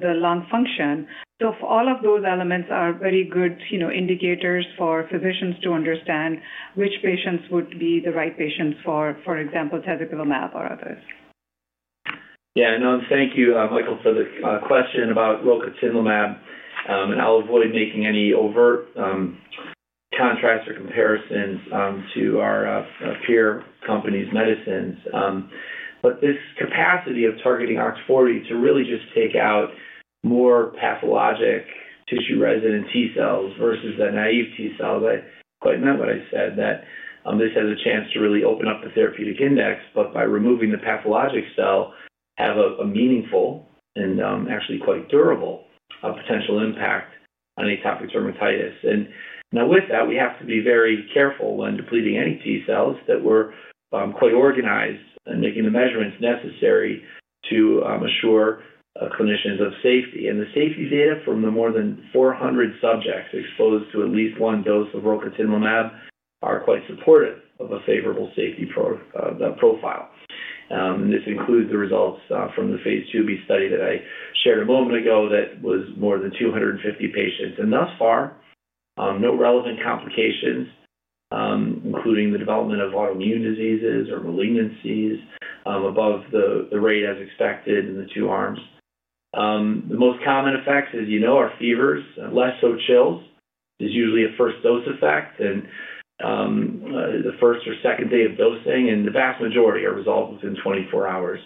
the lung function. So all of those elements are very good, you know, indicators for physicians to understand which patients would be the right patients for, for example, tezepelumab or others. Yeah, no, thank you, Michael, for the question about rocatinlimab. And I'll avoid making any overt contrasts or comparisons to our peer company's medicines. But this capacity of targeting OX40 to really just take out more pathologic tissue-resident T cells versus the naive T cells. I quite meant what I said, that this has a chance to really open up the therapeutic index, but by removing the pathologic cell, have a meaningful and actually quite durable potential impact on atopic dermatitis. And now with that, we have to be very careful when depleting any T cells that we're quite organized in making the measurements necessary to assure clinicians of safety. The safety data from the more than 400 subjects exposed to at least one dose of rocatinlimab are quite supportive of a favorable safety profile. This includes the results from the phase 2b study that I shared a moment ago that was more than 250 patients. And thus far, no relevant complications, including the development of autoimmune diseases or malignancies, above the rate as expected in the two arms. The most common effects, as you know, are fevers, less so chills, is usually a first-dose effect and the first or second day of dosing, and the vast majority are resolved within 24 hours.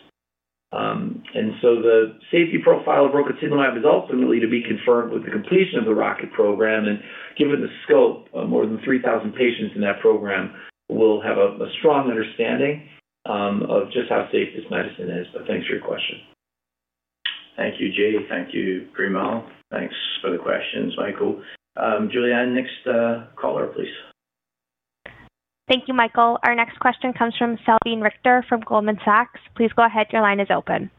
And so the safety profile of rocatinlimab is ultimately to be confirmed with the completion of the ROCKET program, and given the scope of more than 3,000 patients in that program, we'll have a strong understanding of just how safe this medicine is. But thanks for your question. Thank you, Jay. Thank you, Primal. Thanks for the questions, Michael. Julianne, next caller, please. Thank you, Michael. Our next question comes from Salveen Richter from Goldman Sachs. Please go ahead. Your line is open.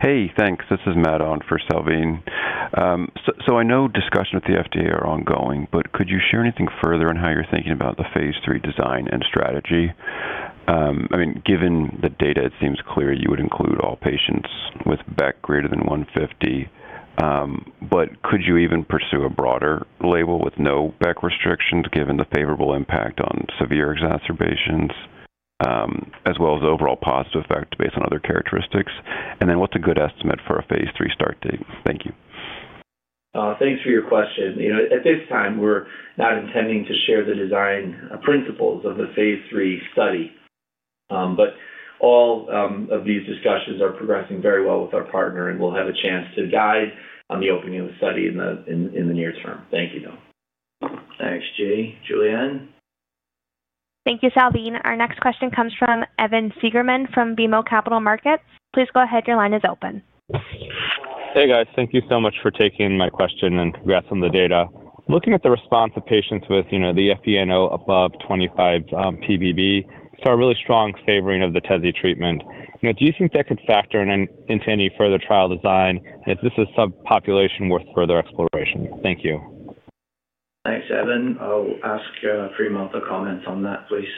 Hey, thanks. This is Matt on for Salveen. So, I know discussions with the FDA are ongoing, but could you share anything further on how you're thinking about the phase III design and strategy? I mean, given the data, it seems clear you would include all patients with BEC greater than 150. But could you even pursue a broader label with no BEC restrictions, given the favorable impact on severe exacerbations, as well as the overall positive effect based on other characteristics? And then, what's a good estimate for a phase III start date? Thank you. Thanks for your question. You know, at this time, we're not intending to share the design principles of the phase III study. But all of these discussions are progressing very well with our partner, and we'll have a chance to guide on the opening of the study in the near term. Thank you, though. Thanks, Jay. Julianne? Thank you, Salveen. Our next question comes from Evan Siegerman from BMO Capital Markets. Please go ahead. Your line is open. Hey, guys. Thank you so much for taking my question and congrats on the data. Looking at the response of patients with, you know, the FENO above 25, ppb, saw a really strong favoring of the Tesi treatment. You know, do you think that could factor in, into any further trial design, if this is subpopulation worth further exploration? Thank you. Thanks, Evan. I'll ask Premal to comment on that, please.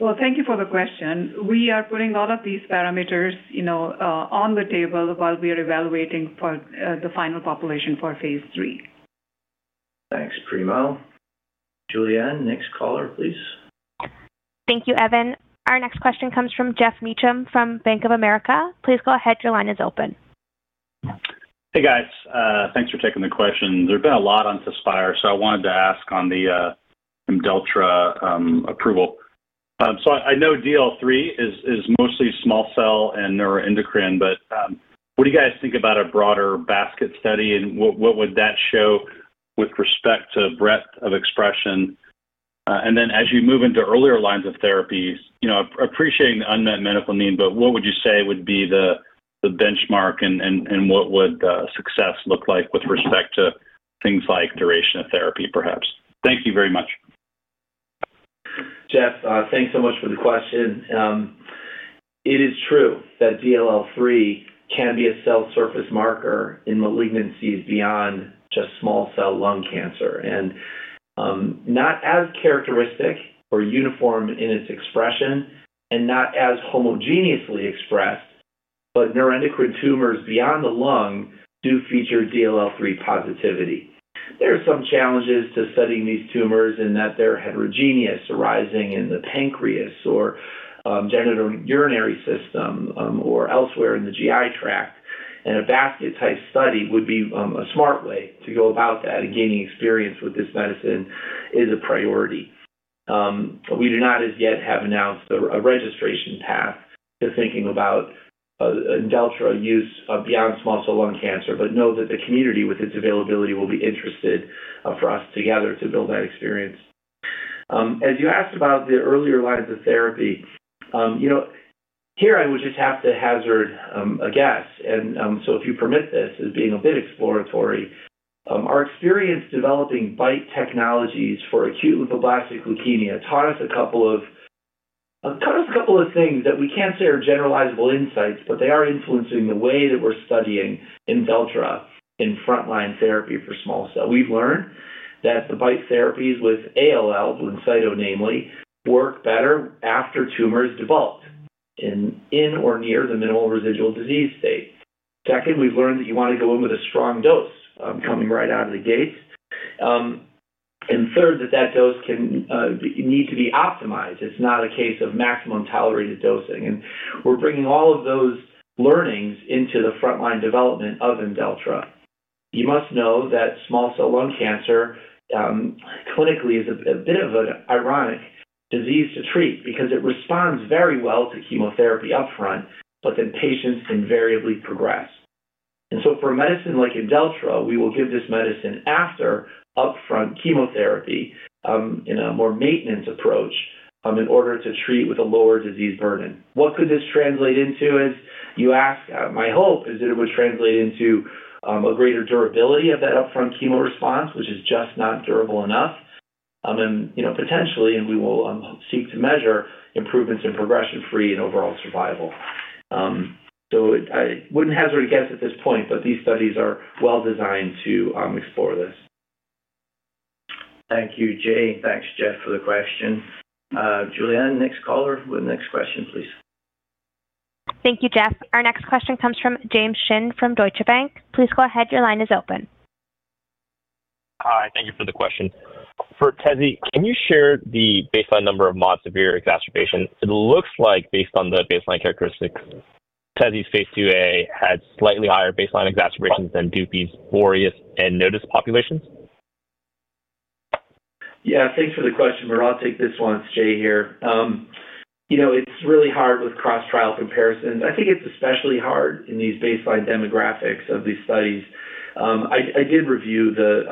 Well, thank you for the question. We are putting a lot of these parameters, you know, on the table while we are evaluating for the final population for phase III. Thanks, Premal. Julianne, next caller, please. Thank you, Evan. Our next question comes from Geoff Meacham from Bank of America. Please go ahead. Your line is open. Hey, guys. Thanks for taking the question. There's been a lot on TEZSPIRE, so I wanted to ask on the IMDELTRA approval. So I know DLL3 is mostly small cell and neuroendocrine, but what do you guys think about a broader basket study, and what would that show with respect to breadth of expression? And then as you move into earlier lines of therapies, you know, appreciating the unmet medical need, but what would you say would be the benchmark, and what would success look like with respect to things like duration of therapy, perhaps? Thank you very much. Geoff, thanks so much for the question. It is true that DLL3 can be a cell surface marker in malignancies beyond just small cell lung cancer, and, not as characteristic or uniform in its expression and not as homogeneously expressed, but neuroendocrine tumors beyond the lung do feature DLL3 positivity. There are some challenges to studying these tumors in that they're heterogeneous, arising in the pancreas or, genitourinary system, or elsewhere in the GI tract, and a basket-type study would be, a smart way to go about that, and gaining experience with this medicine is a priority. We do not as yet have announced a, a registration path to thinking about, IMDELTRA use, beyond small cell lung cancer, but know that the community, with its availability, will be interested, for us together to build that experience. As you asked about the earlier lines of therapy, you know, here I would just have to hazard a guess. So if you permit this as being a bit exploratory, our experience developing BiTE technologies for acute lymphoblastic leukemia taught us a couple of things that we can't say are generalizable insights, but they are influencing the way that we're studying IMDELTRA in frontline therapy for small cell. We've learned that the BiTE therapies with ALL, BLINCYTO namely, work better after tumors devolve in or near the minimal residual disease state. Second, we've learned that you want to go in with a strong dose, coming right out of the gate. And third, that that dose can need to be optimized. It's not a case of maximum tolerated dosing, and we're bringing all of those learnings into the frontline development of IMDELTRA. You must know that small cell lung cancer, clinically, is a bit of an ironic disease to treat because it responds very well to chemotherapy upfront, but then patients invariably progress. And so for a medicine like IMDELTRA, we will give this medicine after upfront chemotherapy, in a more maintenance approach, in order to treat with a lower disease burden. What could this translate into, you ask? My hope is that it would translate into a greater durability of that upfront chemo response, which is just not durable enough. And, you know, potentially, and we will seek to measure improvements in progression-free and overall survival. So I wouldn't hazard a guess at this point, but these studies are well-designed to explore this. Thank you, Jay. Thanks, Geoff, for the question. Julianne, next caller with the next question, please. Thank you, Jeff. Our next question comes from James Shin from Deutsche Bank. Please go ahead. Your line is open. Hi. Thank you for the question. For TEZSPIRE, can you share the baseline number of moderate to severe exacerbations? It looks like based on the baseline characteristics, TEZSPIRE's phase IIa had slightly higher baseline exacerbations than Dupixent's BOREAS and NOTUS populations. Yeah, thanks for the question, Murdo. I'll take this one. It's Jay here. You know, it's really hard with cross-trial comparisons. I think it's especially hard in these baseline demographics of these studies. I did review the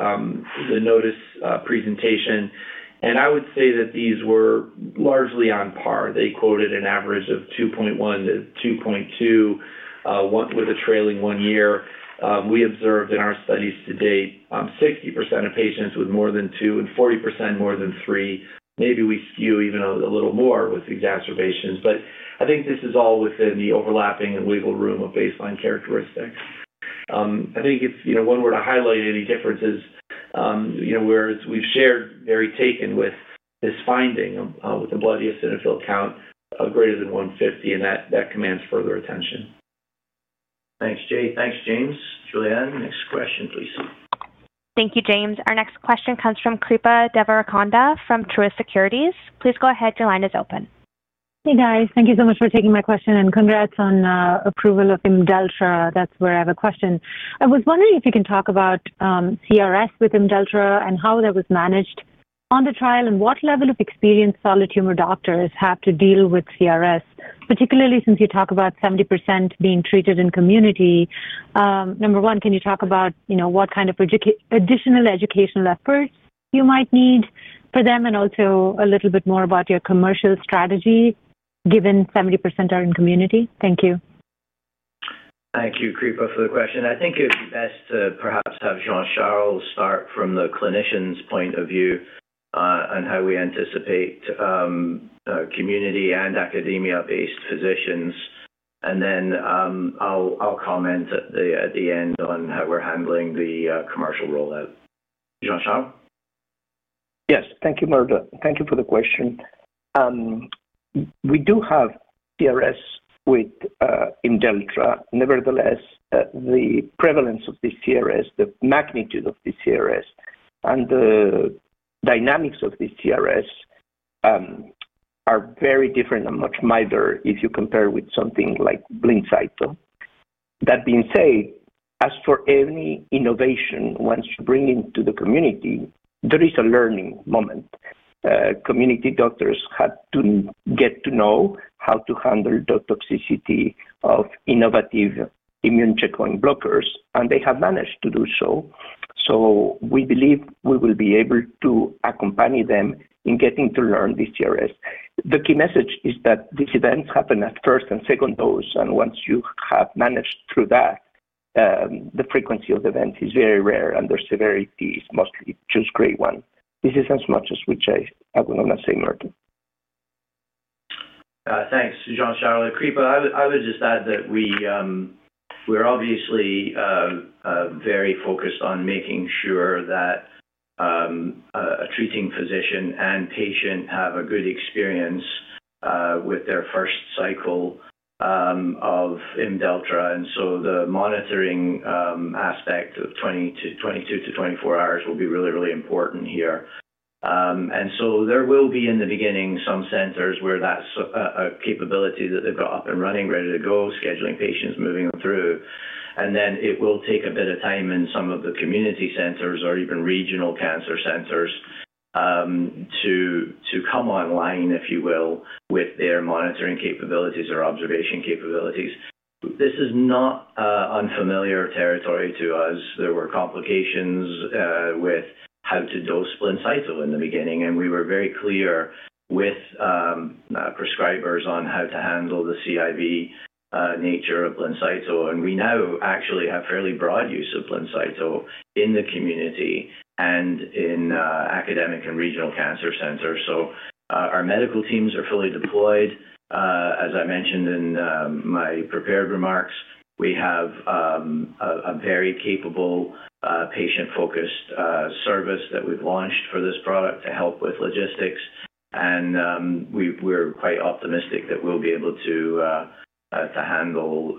NOTUS presentation, and I would say that these were largely on par. They quoted an average of 2.1-2.2, one with a trailing one year. We observed in our studies to date, 60% of patients with more than two and 40% more than three. Maybe we skew even a little more with exacerbations, but I think this is all within the overlapping and legal room of baseline characteristics. I think if, you know, one were to highlight any differences, you know, whereas we've shared, very taken with this finding of, with the blood eosinophil count, greater than 150, and that, that commands further attention. Thanks, Jay. Thanks, James. Julianne, next question, please. Thank you, James. Our next question comes from Kripa Devarakonda from Truist Securities. Please go ahead. Your line is open. Hey, guys. Thank you so much for taking my question, and congrats on approval of IMDELTRA. That's where I have a question. I was wondering if you can talk about CRS with IMDELTRA and how that was managed on the trial, and what level of experienced solid tumor doctors have to deal with CRS, particularly since you talk about 70% being treated in community. Number one, can you talk about, you know, what kind of additional educational efforts you might need for them, and also a little bit more about your commercial strategy, given 70% are in community? Thank you. Thank you, Kripa, for the question. I think it would be best to perhaps have Jean-Charles start from the clinician's point of view, on how we anticipate, community and academia-based physicians. And then, I'll comment at the end on how we're handling the commercial rollout. Jean-Charles? Yes. Thank you, Murdo. Thank you for the question. We do have CRS with IMDELTRA. Nevertheless, the prevalence of this CRS, the magnitude of this CRS and the dynamics of this CRS, are very different and much milder if you compare with something like BLINCYTO. That being said, as for any innovation, once you bring into the community, there is a learning moment. Community doctors have to get to know how to handle the toxicity of innovative immune checkpoint blockers, and they have managed to do so. So we believe we will be able to accompany them in getting to learn this CRS. The key message is that these events happen at first and second dose, and once you have managed through that, the frequency of events is very rare, and their severity is mostly just grade one. This is as much as we say. I will not say more. Thanks, Jean-Charles. Kripa, I would, I would just add that we, we're obviously, very focused on making sure that, a, a treating physician and patient have a good experience, with their first cycle, of IMDELTRA. And so the monitoring, aspect of 20-22 to 24 hours will be really, really important here. And so there will be, in the beginning, some centers where that's a, a capability that they've got up and running, ready to go, scheduling patients, moving them through. And then it will take a bit of time in some of the community centers or even regional cancer centers, to, to come online, if you will, with their monitoring capabilities or observation capabilities.... This is not, unfamiliar territory to us. There were complications with how to dose BLINCYTO in the beginning, and we were very clear with prescribers on how to handle the CIV nature of BLINCYTO. We now actually have fairly broad use of BLINCYTO in the community and in academic and regional cancer centers. Our medical teams are fully deployed. As I mentioned in my prepared remarks, we have a very capable patient-focused service that we've launched for this product to help with logistics. We're quite optimistic that we'll be able to handle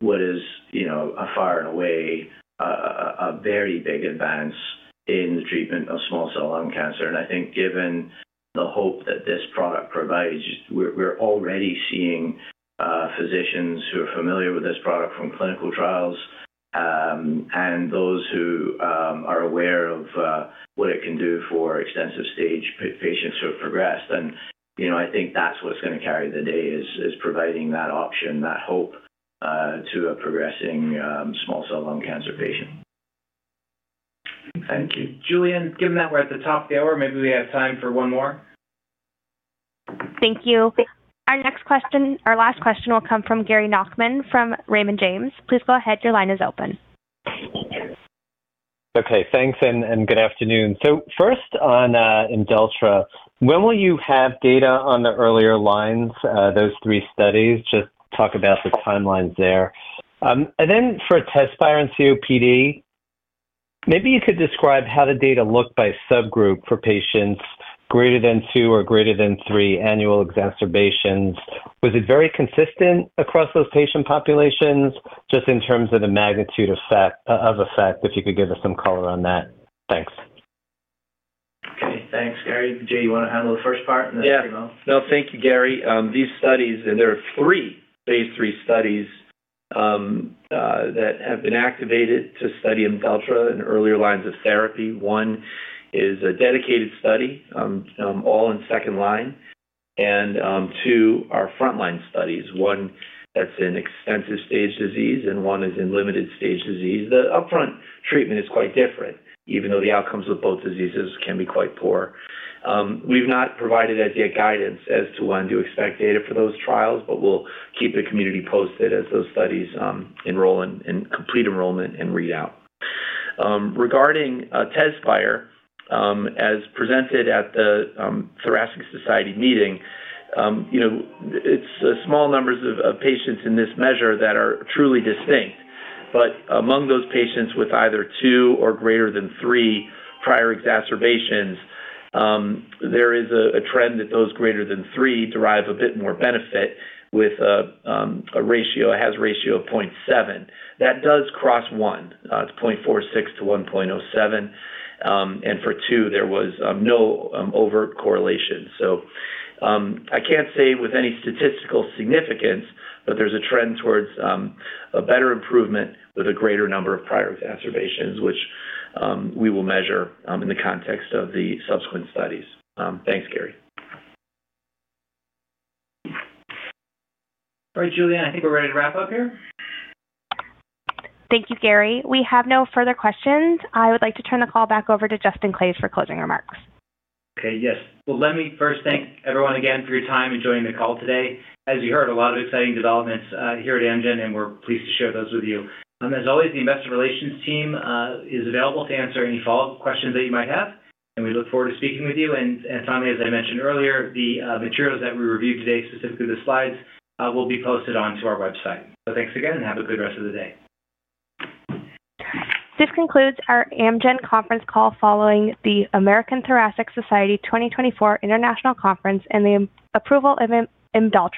what is, you know, far and away a very big advance in the treatment of small cell lung cancer. I think given the hope that this product provides, we're already seeing physicians who are familiar with this product from clinical trials, and those who are aware of what it can do for extensive stage patients who have progressed. You know, I think that's what's gonna carry the day, is providing that option, that hope, to a progressing small cell lung cancer patient. Thank you. Julianne, given that we're at the top of the hour, maybe we have time for one more. Thank you. Our next question. Our last question will come from Gary Nachman from Raymond James. Please go ahead, your line is open. Okay, thanks, and good afternoon. So first on IMDELTRA, when will you have data on the earlier lines, those three studies? Just talk about the timelines there. And then for TEZSPIRE and COPD, maybe you could describe how the data looked by subgroup for patients greater than two or greater than three annual exacerbations. Was it very consistent across those patient populations? Just in terms of the magnitude of effect, if you could give us some color on that. Thanks. Okay, thanks, Gary. Jay, you wanna handle the first part, and then I'll- Yeah. No, thank you, Gary. These studies, and there are three phase III studies, that have been activated to study IMDELTRA in earlier lines of therapy. One is a dedicated study, all in second line, and two are frontline studies. One that's in extensive stage disease and one is in limited stage disease. The upfront treatment is quite different, even though the outcomes of both diseases can be quite poor. We've not provided as yet guidance as to when to expect data for those trials, but we'll keep the community posted as those studies enroll in complete enrollment and readout. Regarding TEZSPIRE, as presented at the Thoracic Society meeting, you know, it's small numbers of patients in this measure that are truly distinct. But among those patients with either two or greater than three prior exacerbations, there is a trend that those greater than three derive a bit more benefit with a ratio, a hazard ratio of 0.7. That does cross one, it's 0.46-1.07. And for two, there was no overt correlation. So, I can't say with any statistical significance, but there's a trend towards a better improvement with a greater number of prior exacerbations, which we will measure in the context of the subsequent studies. Thanks, Gary. All right, Julianne, I think we're ready to wrap up here. Thank you, Gary. We have no further questions. I would like to turn the call back over to Justin Claeys for closing remarks. Okay, yes. Well, let me first thank everyone again for your time in joining the call today. As you heard, a lot of exciting developments here at Amgen, and we're pleased to share those with you. And as always, the investor relations team is available to answer any follow-up questions that you might have, and we look forward to speaking with you. And finally, as I mentioned earlier, the materials that we reviewed today, specifically the slides, will be posted onto our website. So thanks again, and have a good rest of the day. This concludes our Amgen conference call following the American Thoracic Society 2024 International Conference and the approval of IMDELTRA.